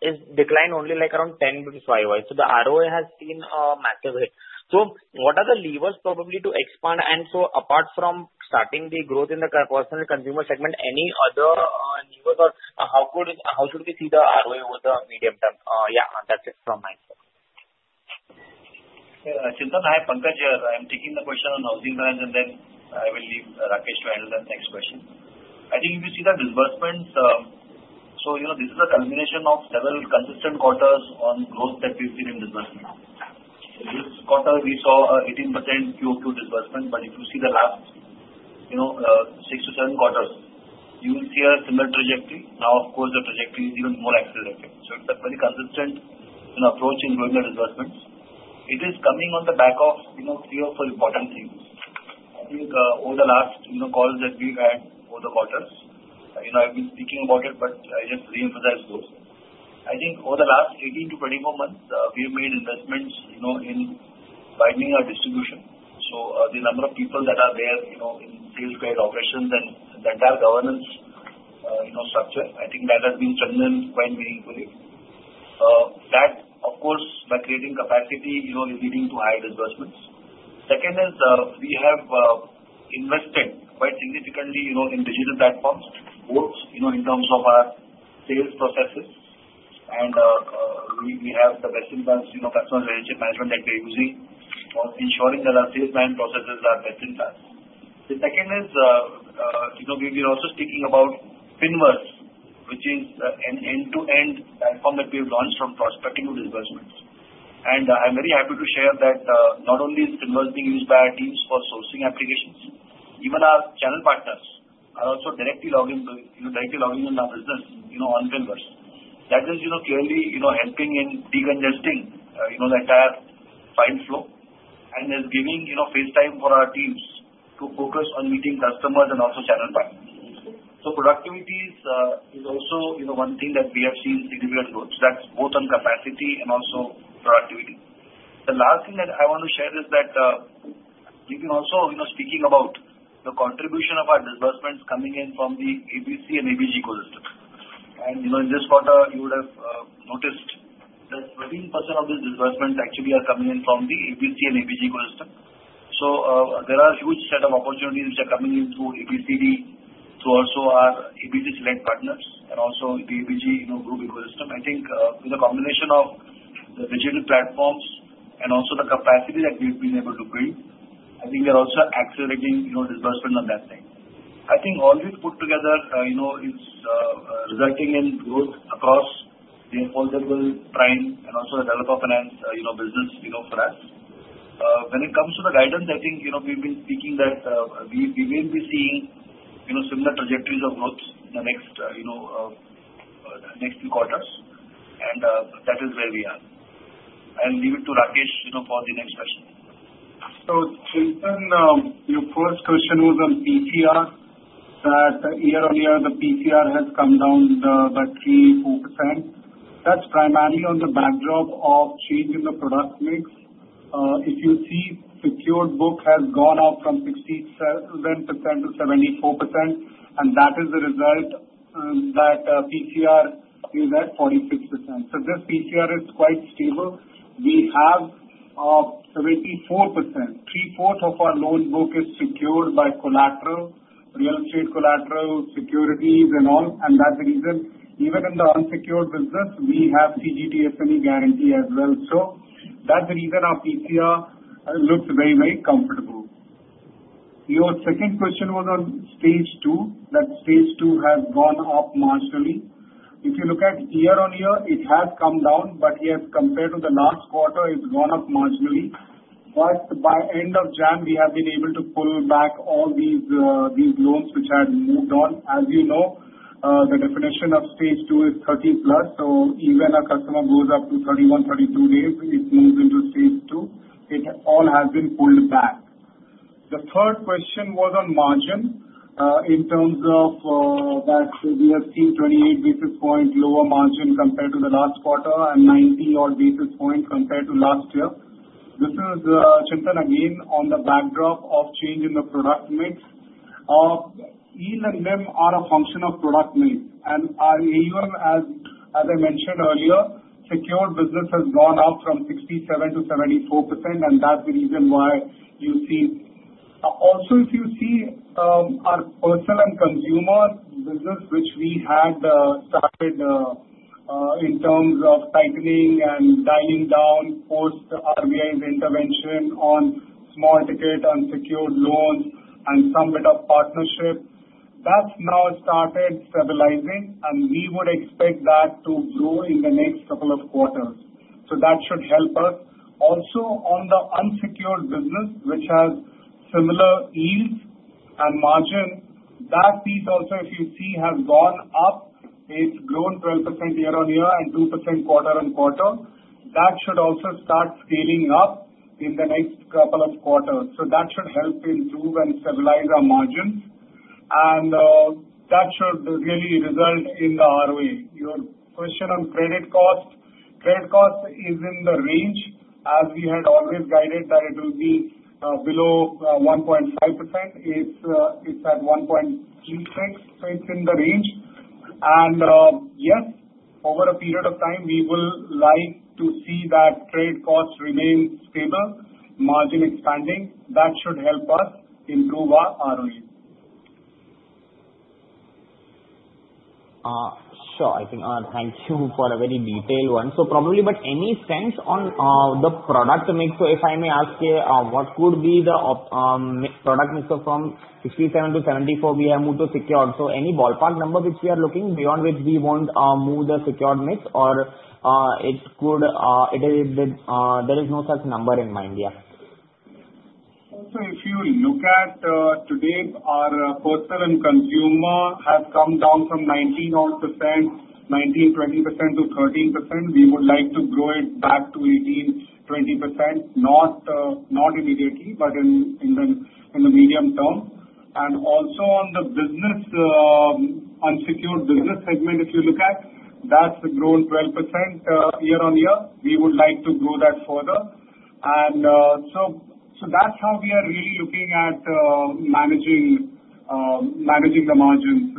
declined, only like around 10 because why so the ROI has seen a massive hit. So what are the levers probably to expand and so apart from seeing the good growth in the personal consumer segment, any other? How should we see the ROI over the medium term? Yeah, that's it from me, Chintan. Hi, Pankaj here. I'm taking the question on housing finance and then I will leave Rakesh to handle the next question. I think if you see the disbursements, so you know this is a culmination of several consistent quarters of growth that we've seen in disbursement. This quarter we saw 18% QoQ disbursement but if you see the last six to seven quarters you will see a similar trajectory. Now of course the trajectory is even more accelerated. It's a pretty consistent approach in global disbursements. It is coming on the back of three or four important things. I think over the last calls that we've had over the quarters I've been speaking about it but I just reemphasize those things. I think over the last 18-24 months we have made investments in widening our distribution. The number of people that are there in sales, credit operations and the entire governance structure I think that has been channeled in quite meaningfully. That of course by creating capacity is leading to higher disbursements. Second is we have invested quite significantly in digital platforms both in terms of our sales processes and we have the best in terms customer relationship management that we're using ensuring that our salesman processes are best in class. The second is we've been also speaking about FinVerse, which is an end-to-end platform that we have launched from prospecting to disbursements, and I'm very happy to share that. Not only is FinVerse being used by our team for sourcing applications, even our channel partners are also directly logging in our business on FinVerse that is clearly helping in decongesting the entire file flow and is giving face time for our teams to focus on meeting customers and also channel banks. So, productivity is also one thing that we have seen significant growth. That's both on capacity and also the last thing that I want to share is that you can also, you know, speaking about the contribution of our disbursements coming in from the ABC and ABG ecosystem. And you know, in this quarter, you would have noticed that 13% of these disbursements actually are coming in from the ABC and ABG ecosystem. So, there are huge set of opportunities which are coming in through ABCD. So also our ABC led partners and also the ABG group ecosystem. I think with a combination of the digital platforms and also the capacity that we've been able to build. I think we're also accelerating disbursement on that side. I think all we put together is resulting in growth across the prime and also the developer finance business for us. When it comes to the guidance, I think we've been seeking that we will be seeing similar trajectories of growth in the next few quarters, and that is where we are. I'll leave it to Rakesh for the next question. Your first question was on PCR. That year on year the PCR has come down by 3-4%. That's primarily on the backdrop of change in the product mix. If you see secured book has gone up from 67% to 74% and that is the result that PCR is at 46%. So this PCR is quite stable. We have 74% of our loan book is secured by collateral, real estate collateral securities and all. And that reason even in the unsecured business we have CGTMSE guarantee as well. So that's the reason our PCR looks very, very comfortable. Your second question was on stage two. That stage two has gone up marginally. If you look at year on year it has come down but yes compared to the last quarter it's gone up marginally. But by end of January we have been able to pull back all these loans which had moved. As you know, the definition of Stage 2 is 30 plus. So even a customer goes up to 31, 32 days it moves into Stage 2, it all has been pulled back. The third question was on margin in terms of that we have seen 28 basis points lower margin compared to the last quarter and 90-odd basis points compared to last year. This is Chintan again on the backdrop of change in the product mix. Yield and NIM are a function of product mix and AUM. As I mentioned earlier, secured business has gone up from 67%-74% and that's the reason why you see also if you see our personal and consumer business which we had started in terms of tightening and dialing down post RBI's intervention on small ticket unsecured loans and some bit of partnership that's now started stabilizing and we would expect that to grow in the next couple of quarters. So that should help us. Also on the unsecured business which has similar yields and margin that piece also if you see has gone up, it's grown 12% year on year and 2% quarter on quarter that should also start scaling up in the next couple of quarters. So that should help improve and stabilize our margins and that should really result in the ROE. Your question on credit cost: credit cost is in the range as we had always guided that it will be below 1.5%. It's at 1.36%, so it's in the range. And yes, over a period of time we will like to see that credit cost remain stable, margin expanding. That should help us improve our ROE. Sure. I think. Thank you for a very detailed one. So probably. But any sense on the product mix? So if I may ask, what could be the product mix of from 67 to 74 we have moved to secured. So any ballpark number which we are. Looking beyond which we won't move the secured mix or it could. There is no such number in mind. Yeah. If you look at today our personal and consumer has come down from 19-odd% (19-20%) to 13%. We would like to grow it back to 18-20%. Not immediately but in the medium term. Also on the business unsecured business segment if you look at that's grown 12% year on year we would like to grow that further. So that's how we are really looking at managing the margins.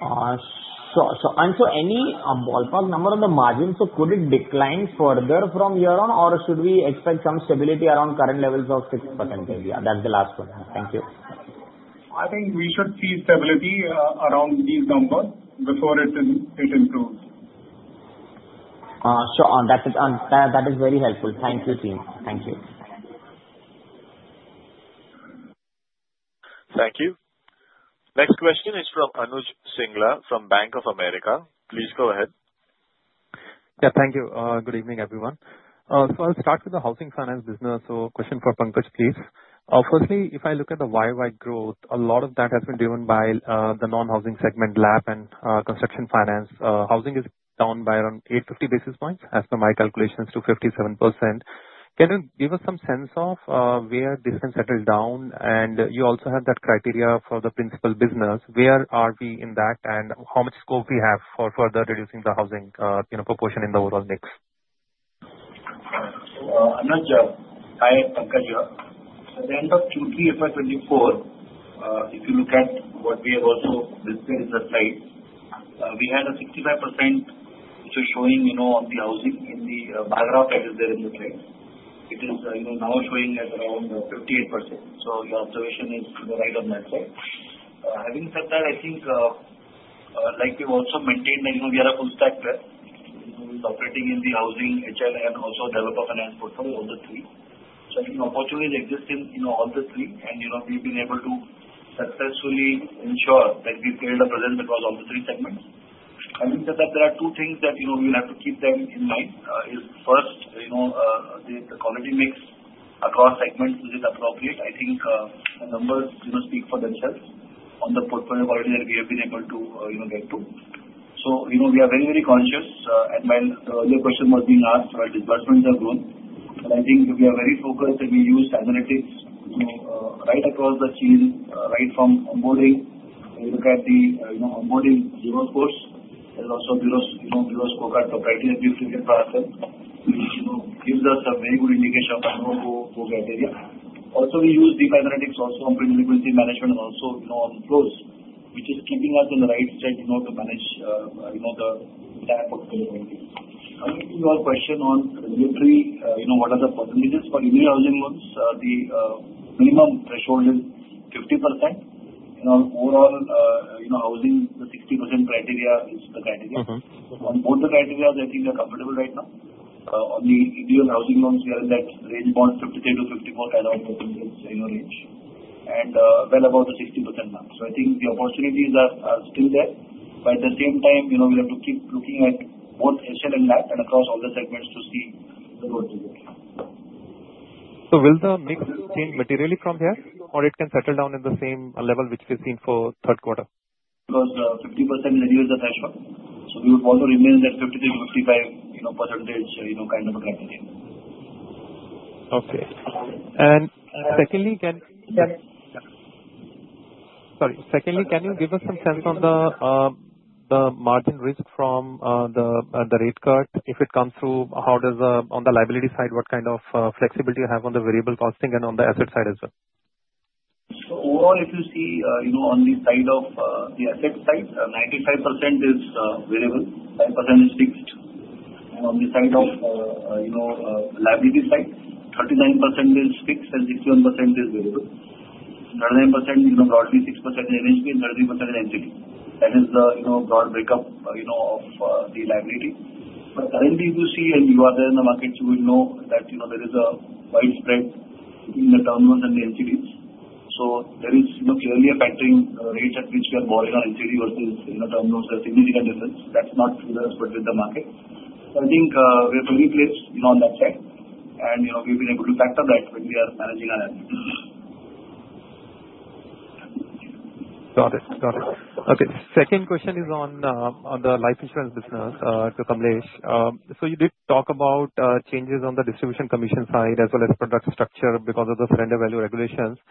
And so, any ballpark number on the Margin, so could it decline further from? Hereon, or should we expect some stability around current levels of 6% area? That's the last question. Thank you. I think we should see stability around these numbers before it improves. Sure. That is very helpful. Thank you team. Thank you. Thank you. Next question is from Anuj Singla from Bank of America. Please go ahead. Yeah, thank you. Good evening, everyone. So I'll start with the housing finance business. So question for Pankaj, please. Firstly, if I look at the YoY growth, a lot of that has been driven by the non-housing segment, LAP, and construction finance. Housing is down by around 850 basis points, as per my calculations, to 57%. Can you give us some sense of where this can settle down? And you also have that criteria for the principal business. Where are we in that, and how much scope we have for further reducing the housing proportion in the overall mix. Hi Pankaj here at the end of Q3FY24. If you look at what we have also displayed in the slide, we had a 65% which is showing, you know, on the housing in the bar graph that is there in the trend. It is now showing at around 58%. So your observation is to the right on that side. Having said that, I think like we've also maintained that, you know, we are a full stack operating in the housing HL and also developer finance portfolio all the three. So I think opportunities exist in, you know, all the three and, you know, we've been able to successfully ensure that we build a presence across all the three segments. I think that there are two things that we have to keep them in mind is first, the quality mix across segments is appropriate. I think the numbers speak for themselves on the portfolio quality that we have been able to get to. So we are very, very conscious. And when the earlier question was being asked, while disbursements have grown, I think we are very focused and we use cybernetics right across the chain, right from onboarding. Look at the onboarding Z-score. There's also behavioral, you know, behavioral scorecard proprietary, which gives us a very good indication of the no-go criteria. Also we use deep analytics also on fraud management and also, you know, on flows, which is keeping us in the right shape, you know, to manage, you know, that part of your question on regulatory, you know, what are the percentages for affordable housing loans? The minimum threshold is 50% overall housing. The 60% criteria is the criteria. On both the criteria, I think we are comfortable right now on the Indian housing loans. We are in that range bound, 53%-54%, kind of in your range and well above the 60% mark. So I think the opportunities are still there. But at the same time, you know, we have to keep looking at both SL and NAT and across all the segments to see the growth. So will the mix change materially from here or it can settle down in the same level, which we've seen for Q3? because 50% is the lowest. So we would want to remain in that 53%-55%, you know, percentage, you know, kind of a gradient. Okay. And secondly, can you give us some sense on the margin risk from the rate cut if it comes through? How does on the liability side, what kind of flexibility you have on the variable costing and on the asset side as well. Overall, if you see, you know, on the side of the asset side, 95% is variable, 5% is fixed and on the side of, you know, liability side, 39% is fixed and 61% is variable, 99%, you know, broadly 6% in NHB and 33% in NCDs. That is the, you know, broad breakup, you know, of the liability. But currently, if you see and you are there in the markets, you will know that, you know, there is a wide spread in the term loans and the NCDs. So there is, you know, clearly a favorable rate at which we are borrowing on NCD versus, you know, term loans. There are significant differences and that's not the market. So I think we're fully placed on that side and we've been able to factor that when we are managing our assets. Got it, got it. Okay, second question is on the life insurance business. So you did talk about changes on the distribution commission side as well as product structure because of the surrender value regulations.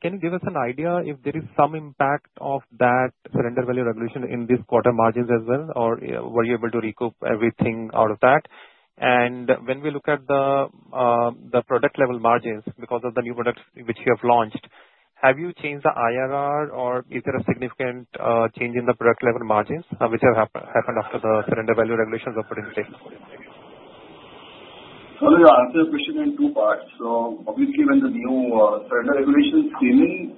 Can you give us an idea if there is some impact of that surrender value regulation in this quarter margins as well or were you able to recoup everything out of that? And when we look at the product level margins because of the new products which you have launched, have you changed the IRR or is there a significant change in the product level margins which have happened after the surrender value regulations are put in place? I answer your question in two parts. Obviously, when the new regulations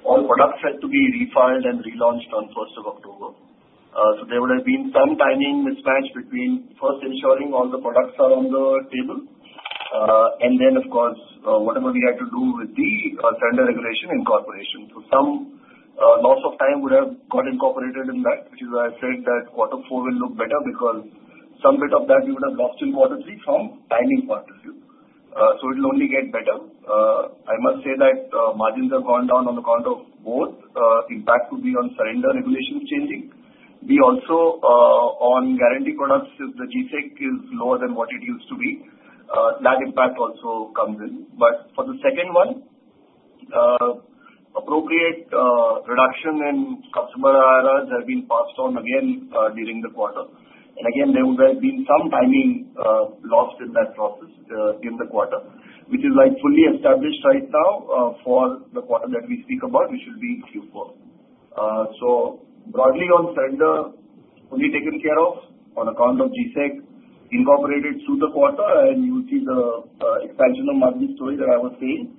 all products had to be refiled and relaunched on 1st of October. So there would have been some timing mismatch between first ensuring all the products are on the table and then of course whatever we had to do with the standard regulation incorporation. So some loss of time would have got incorporated in that. Which is why I said that Q4 will look better because some bit of that we would have lost in Q3 from timing point of view. So it will only get better. I must say that margins have gone down on account of both. Impact would be on surrender regulations changing, we also on guarantee products. If the G-Sec is lower than what it used to be, that impact also comes in. But for the second one, appropriate reduction in customer IRRs have been passed on again during the quarter, and again there would have been some timing loss in that process in the quarter which is fully established right now for the quarter that we speak about which will be Q4, so broadly on surrender only taken care of on account of G-Sec incorporated through the quarter, and you will see the expansion of NIM story that I was saying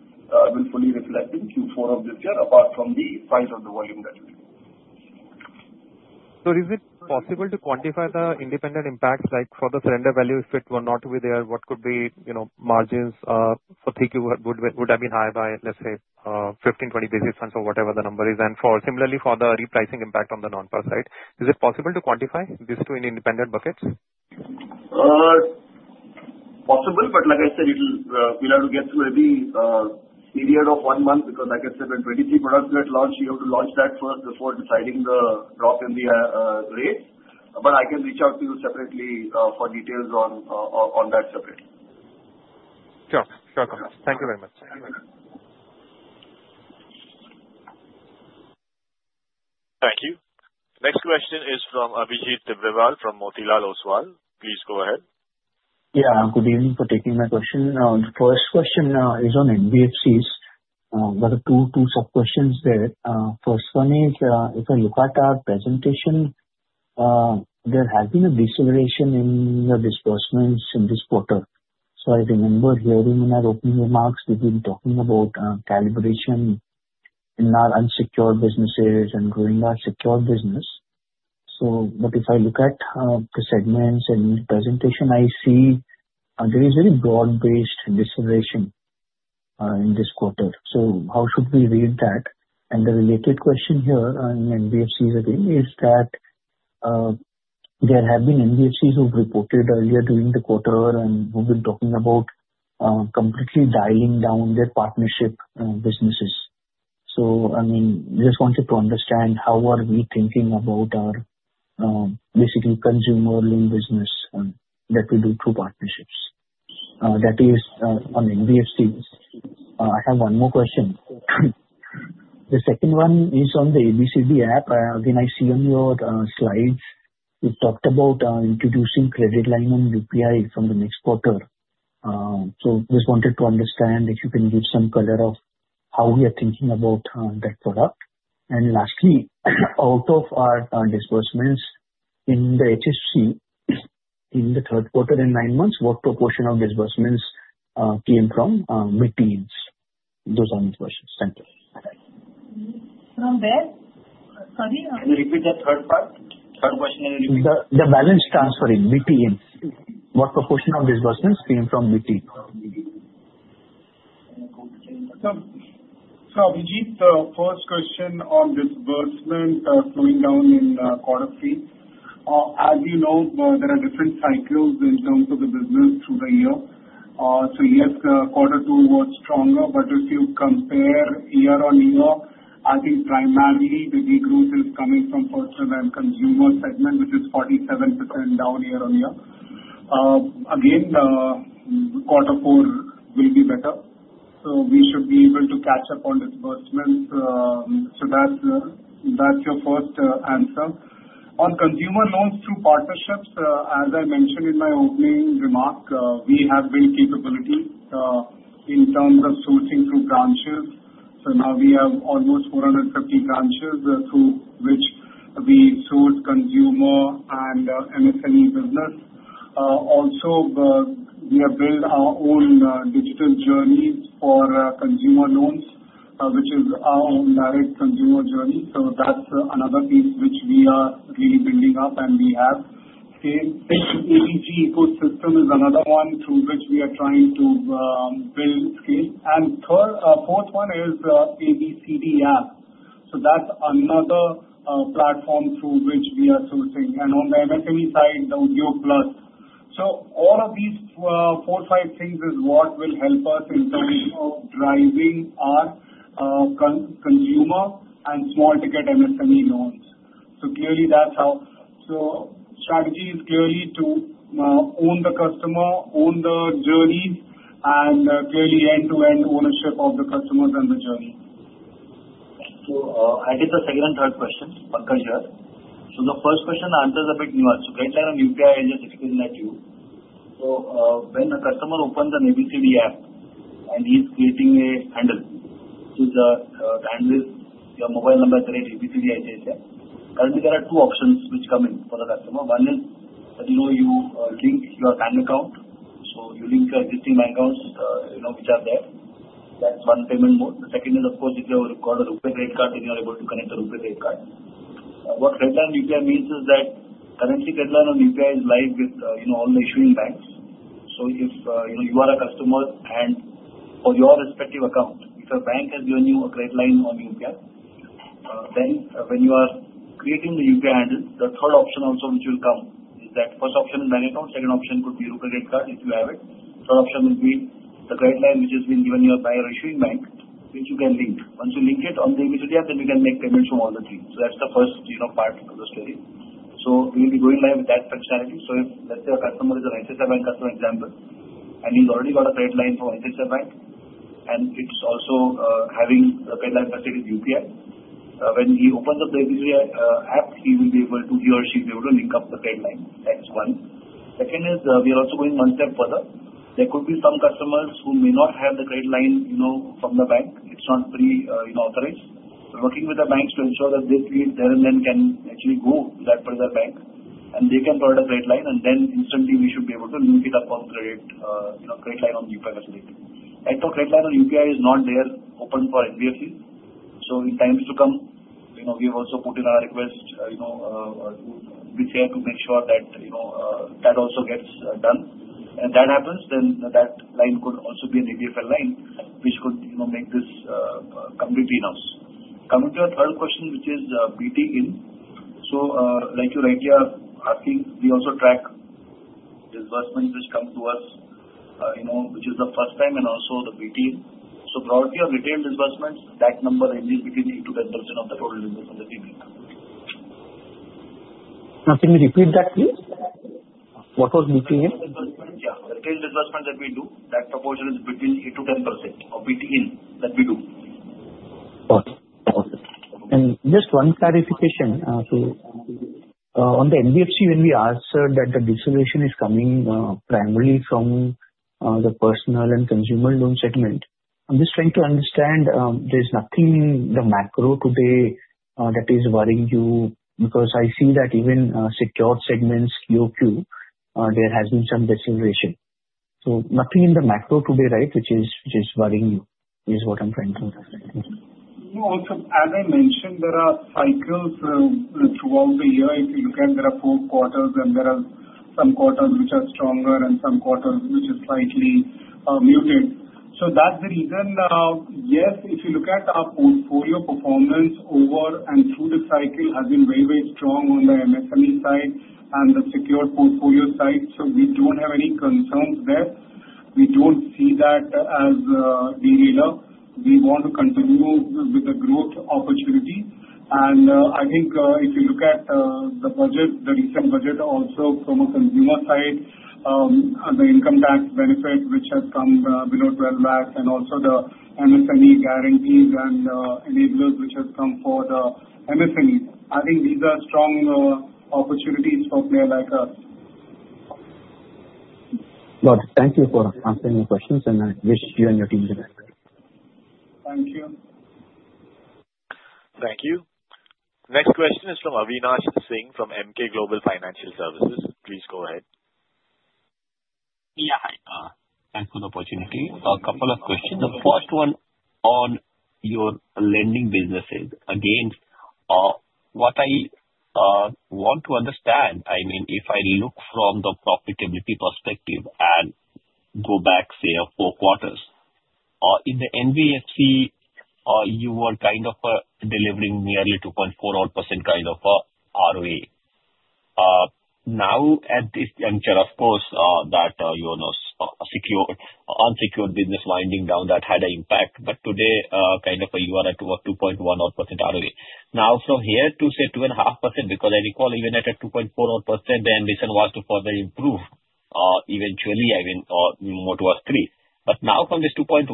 will fully reflect in Q4 of this year apart from the size of the volume that you. Is it possible to quantify the independent impacts like for the surrender value if it were not to be there, what could be? You know, margins for TQ would have been high by let's say 15-20 basis points or whatever the number is. Similarly for the repricing impact on the non-par side, is it possible to quantify these two in independent buckets? Possible, but like I said, it will have to get through every period of one month because, like I said, when 23 products get launched, you have to launch that first before deciding the drop in the rate. But I can reach out to you separately for details on that. Separately. Sure. Thank you very much. Thank you. Next question is from Abhijit Tibrewal from Motilal Oswal. Please go ahead. Yeah. Good evening for taking my question. First question is on NBFCs. There are two sub questions there. First one is, if I look at our presentation, there has been a deceleration in disbursements in this quarter. So I remember hearing in our opening remarks we've been talking about calibration in our unsecured businesses and growing our secure business. So but if I look at the segments and presentation I see there is very broad-based deceleration in this quarter. So how should we read that? And the related question here in NBFCs again is that there have been NBFCs who've reported earlier during the quarter and who've been talking about completely dialing down their partnership businesses. So I mean just wanted to understand how are we thinking about our basically consumer lending business that we do through partnerships that is on NBFCs. I have one more question. The second one is on the ABCD app. Again I see on your slides you talked about introducing credit line and UPI from the next quarter. So just wanted to understand if you can give some color of how we are thinking about that product. And lastly out of our disbursements in the HFC in the Q3 in nine months, what proportion of disbursements came from BTs? Those are my questions. From where. Sorry, can you repeat the third part? Third question, the balance transfer in BT in, what proportion of disbursements? Same from BT Abhijit, the first question on disbursement slowing down in Q3, as you know there are different cycles in terms of the business through the year. So yes Q2 was stronger but if you compare year on year I think primarily the decrease is coming from the consumer segment which is 47% down year on year. Again Q4 will be better so we should be able to catch up on disbursements. So that's your first answer on consumer loans through partnerships. As I mentioned in my opening remark, we have built capability in terms of sourcing through branches. So now we have almost 450 branches through which we source consumer and MSME business. Also we have built our own digital journey for consumer loans which is our own direct consumer journey. That's another piece which we are really building up and we have ecosystem is another one through which we are trying to build scale and third, fourth one is ABCD app. That's another platform through which we are sourcing and on the MSME side, the Udyog Plus. All of these four, five things is what will help us in terms of driving our consumer and small ticket MSME loans. Clearly that's how our strategy is clearly to own the customer, own the journey and clearly end to end ownership of the customers and the journey. I did the second and third question, Pankaj. Here, the first question, the answer is a bit nuanced. Guidelines on UPI I just explained that to you. When a customer opens an ABCD app and he's creating a handle, the handle is your mobile number @ ABCD ID. Currently there are two options which come in for the customer. One is that you know, you link your bank account. So you link your existing bank accounts, you know which are there. That's one payment mode. The second is of course if you've got a RuPay credit card then you are able to connect a RuPay credit card. What credit line UPI means is that currently credit line on UPI is live with, you know, all the issuing banks. So if you know you are a customer and for your respective account, if a bank has given you a credit line on UPI then when you are creating the UPI handle, the third option also which will come is that first option is bank account. Second option could be RuPay credit card if you have it. Third option would be the credit line which has been given here by issuing bank which you can link. Once you link it on the ABCD app then you can make payments from all the three. So that's the first you know, part of the story. So we will be going live with that functionality. So if let's say a customer has an Axis Bank account for example and he's already got a credit line from SBI Bank and he's also having a prepaid wallet in UPI. When he opens up the app he will be able to he or she will link up the credit line. That's one. Second is we are also going one step further. There could be some customers who may not have the credit line, you know, from the bank. It's not pre-authorized. Working with the banks to ensure that the line can actually go to that particular bank and they can provide a credit line and then instantly we should be able to hook it up for credit, you know, credit line on UPI facility. If the credit line or UPI is not there open for NBFC. In times to come, you know, we have also put in our request, you know, to make sure that, you know, that also gets done and that happens, then that line could also be an ABFL line which could, you know, make this completely in-house. Coming to the third question, which is BT in. Like you rightly are asking, we also track disbursements which come to us, you know, which is the first time. And also the BT proportion of retail disbursements, that number ended at 20% of the total. Now can you repeat that please? What was BPM? Yeah, disbursement that we do. That proportion is between 8%-10% of it in that we do. Okay. And just one clarification. So on the NBFC, when we answered that the deleveraging is coming primarily from the personal and consumer loan segment, I'm just trying to understand there's nothing in the macro today that is worrying you because I see that even secured segments Q-on-Q, there has been some deceleration. So nothing in the macro today. Right, which is just worrying you is what I'm trying to say. Also, as I mentioned, there are cycles throughout the year. If you look at there are four quarters and there are some quarters which are stronger and some quarters which is slightly muted. So that's the reason. Yes, if you look at our portfolio, performance over and through the cycle has been very, very strong on the MSME side and the secured portfolio side. So we don't have any concerns there. We don't see that as derailer. We want to continue with the growth opportunity. And I think if you look at the budget, the recent budget also from a consumer side, the income tax benefit which has come below 12 lakhs and also the and any guarantees and enablers which have come for the MSME. I think these are strong opportunities for players like us. Thank you for answering your questions, and I wish you and your team the best. Thank you. Thank you. Next question is from Avinash Singh from Emkay Global Financial Services. Please go ahead. Yeah, thanks for the opportunity. A couple of questions. The first one on your lending businesses against what I want to understand. I mean if I look from the profitability perspective and go back say four quarters in the NBFC, you were kind of delivering nearly 2.4 odd % kind of a ROE now at this juncture, of course that, you know, secured unsecured business winding down, that had an impact. But today kind of a, you are at 2.1 or % ROE now from here to say 2.5% because I recall even at a 2.4 odd % the ambition was to further improve eventually. I mean what was 3. But now from this 2.1%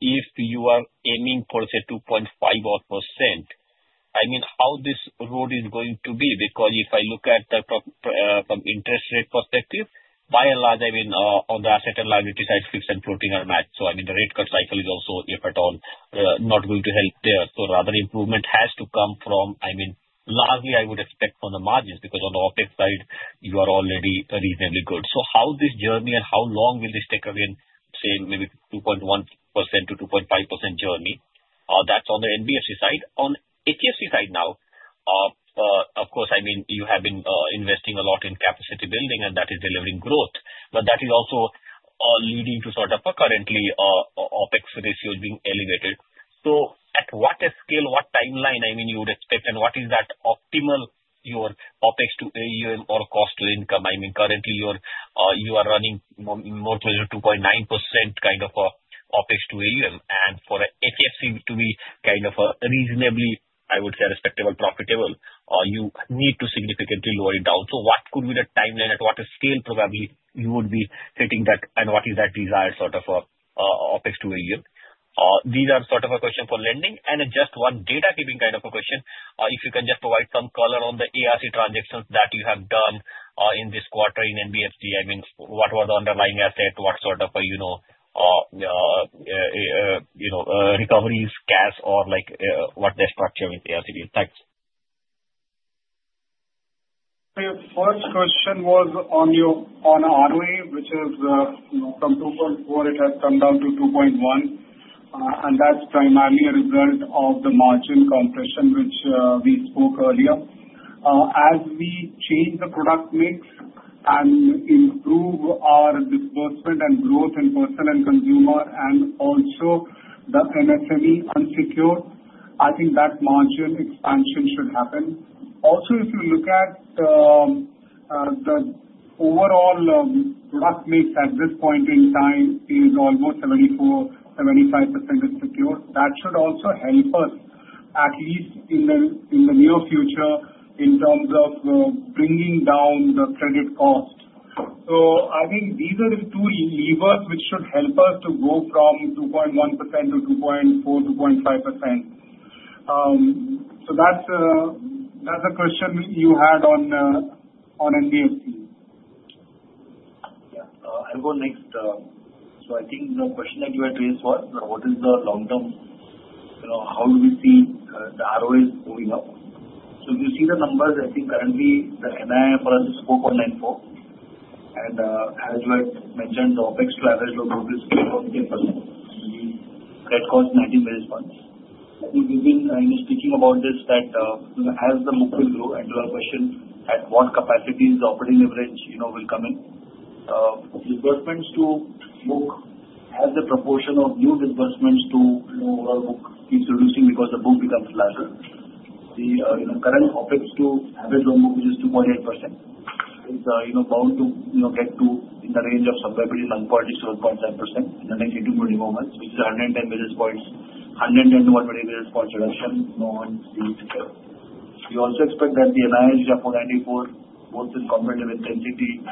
if you are aiming for say 2.5-odd%, I mean how this road is going to be because if I look at the interest rate perspective, by and large I mean on the asset and liability side fixed and floating are matched. So I mean the rate cut cycle is also if at all not going to help there. So rather improvement has to come from. I mean largely I would expect from the margins because on the OpEx side you are already reasonably good. So how this journey and how long will this take again? Say maybe 2.1%-2.5% journey. That's on the NBFC side on HFC side. Now of course I mean you have been investing a lot in capacity building and that is delivering growth but that is also leading to sort of currently OpEx ratio is being elevated. So, at what scale, what timeline—I mean, you would expect—and what is that optimal? Your OpEx to AUM or cost to income? I mean, currently you are running more close to 2.9% kind of OpEx to AUM and for HFC to be kind of a reasonably I would say respectable profitable, you need to significantly lower it down. So what could be the timeline at what scale? Probably you would be hitting that and what is that desired sort of OpEx to a yield? These are sort of a question for lending and just one housekeeping kind of a question. If you can just provide some color on the NCD transactions that you have done in this quarter in NBFC. I mean, what were the underlying asset? What sort of, you know, recoveries, cash or like what they structure with ABCD. Thanks. First question was on your ROA, which is from 2.4% it has come down to 2.1%, and that's primarily a result of the margin compression which we spoke earlier as we change the product matrix and improve our disbursement and growth in personal and consumer and also the MSME unsecured. I think that margin expansion should happen. Also, if you look at the overall product mix at this point in time is almost 74-75% unsecured. That should also help us, actually, maybe in the near future in terms of bringing down the credit cost. So I think these are the two levers which should help us to go from 2.1% to 2.4-2.5%, so that's the question you had on ROA. I'll go next. So I think the question that you had raised was not what is the long term? You know, how do we see the ROA moving up. So if you see the numbers I think currently the NIM is 4.94% and as you had mentioned the OpEx to average credit cost 19 basis points. We've been speaking about this that as the loan book will grow and to our question at what capacities the operating leverage, you know, will come in disbursements to book as a proportion of new disbursements to loan book keeps reducing because the book becomes larger. The current OpEx to average loan book which is 2.8% it's you know, bound to, you know, get to in the range of somewhere 1.6-1.7% in the next 18-24 months which is 110-121 basis points reduction. Now we also expect that the NIM for FY24 both in comparative sensitivity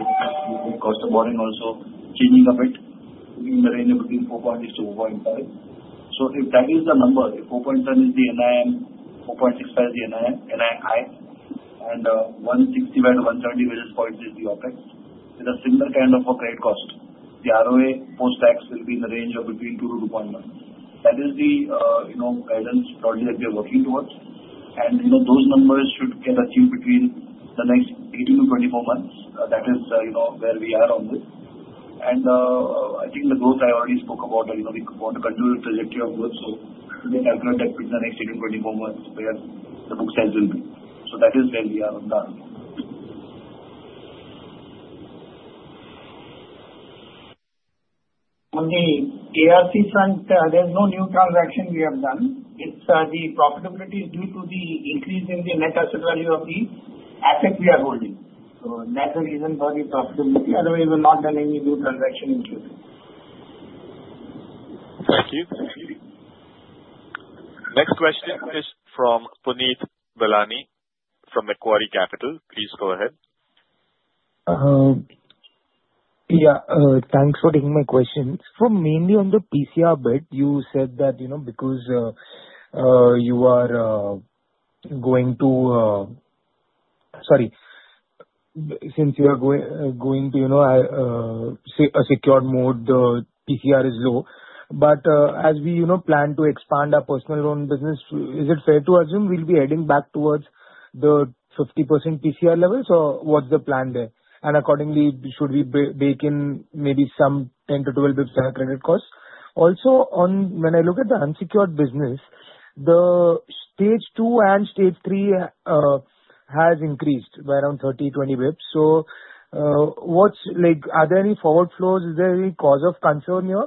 cost of borrowing also changing a bit in the range of between 4.6 to over 5. So if that is the number, if 4.7 is the NIM, 4.65 the NII and 165 to 170 basis points is the OpEx with a similar kind of a credit cost the ROA post tax will be in the range of between 2 to 2.1. That is the, you know, guidance broadly that we are working towards and you know, those numbers should get achieved between the next 18 to 24 months. That is, you know where we are on this and I think the growth I already spoke about, you know, we want to continue the trajectory of growth so we expect that between the next 18, 24 months where the book size will be. So that is where we are on the. On the ARC front. There's no new transaction we have done. It's the profitability is due to the increase in the net asset value of the asset we are holding. So that's the reason for the profitability. Otherwise we've not done any new transaction in Q2. Thank you. Next question is from Punit Bahlani from Macquarie Capital. Please go ahead. Yeah, thanks for taking my questions. Mainly on the PCR bit, you said that, you know, because since you are going to, you know, a secured mode, the PCR is low. But as we, you know, plan to expand our personal loan business, is it fair to assume we'll be heading back towards the 50% PCR level? So what's the plan there? And accordingly, should we bake in maybe some 10 to 12 credit costs? Also, when I look at the unsecured business, the stage two and stage three has increased by around 30-20 basis points, so what's, like, are there any forward flows? Is there any cause of concern here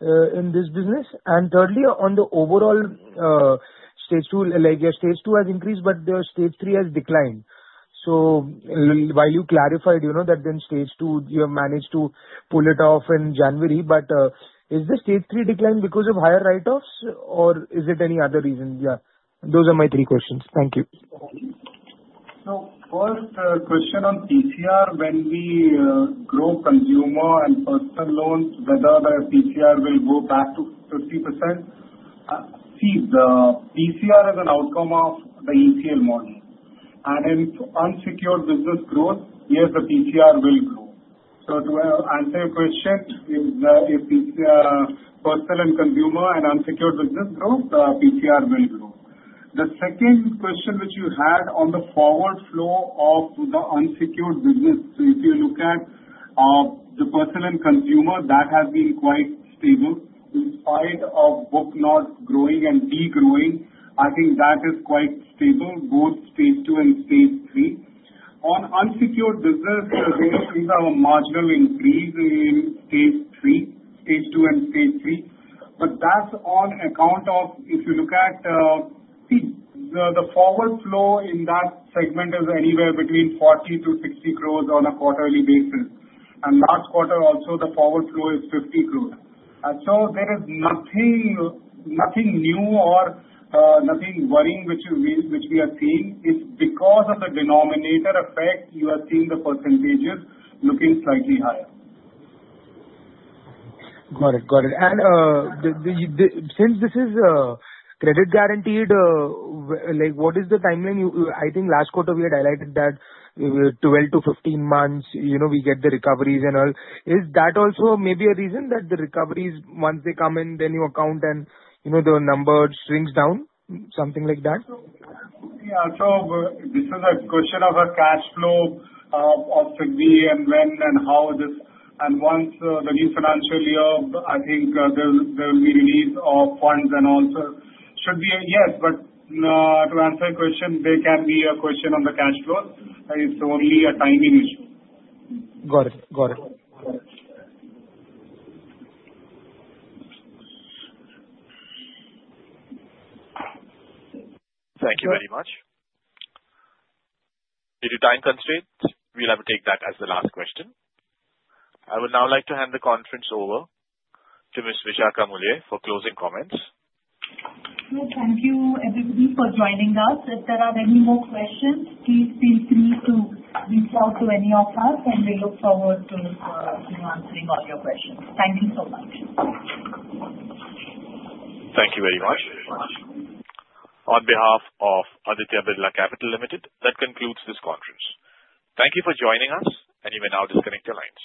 in this business? And thirdly, on the overall stage two, like, your stage two has increased but the stage three has declined. So while you clarified you know that then stage two you have managed to pull it off in January. But is the stage three decline because of higher write-offs or is it any other reason? Yeah, those are my three questions. Thank you. First question on PCR: when we grow consumer and personal loans, whether the PCR will go back to 50%. See, the PCR is an outcome of the ECL model and in unsecured business grows. Yes, the PCR will grow. To answer your question, if personal and consumer and unsecured business grows, the PCR will grow. The second question which you had on the forward flow of to the unsecured. If you look at the personal and consumer, that has been quite stable in spite of book not growing and degrowing. I think that is quite stable. Both Stage 2 and Stage 3 on unsecured business; these are marginal increase in Stage 3, Stage 2 and Stage 3. But that's on account of if you look at the forward flow in that segment is anywhere between 40-60 crores on a quarterly basis and last quarter also the forward flow is 50 crores. So there is nothing new or nothing worrying which we are seeing. It's because of the denominator effect. You are seeing the percentages looking slightly higher. Got it, got it. And since this is credit guaranteed, like what is the timeline? I think last quarter we had highlighted that 12-15 months, you know we get the recoveries and all. Is that also maybe a reason that the recoveries once they come in then you account and you know the number shrinks down. Something like that. Yeah. So this is a question of a cash flow object B, and when and how this, and once the new financial year, I think there will be release of funds and also should be a yes. But to answer your question, there can be a question on the cash flows. It's only a timing issue. Got it. Got it. Thank you very much. Due to time constraints we'll have to take that as the last question. I would now like to hand the conference over to Ms. Vishakha Mulye for closing comments. Thank you everybody for joining us. If there are any more questions, please feel free to reach out to any of us and we look forward to answering all your questions. Thank you so much. Thank you very much. On behalf of Aditya Birla Capital Limited, that concludes this conference. Thank you for joining us. And you may now disconnect your lines.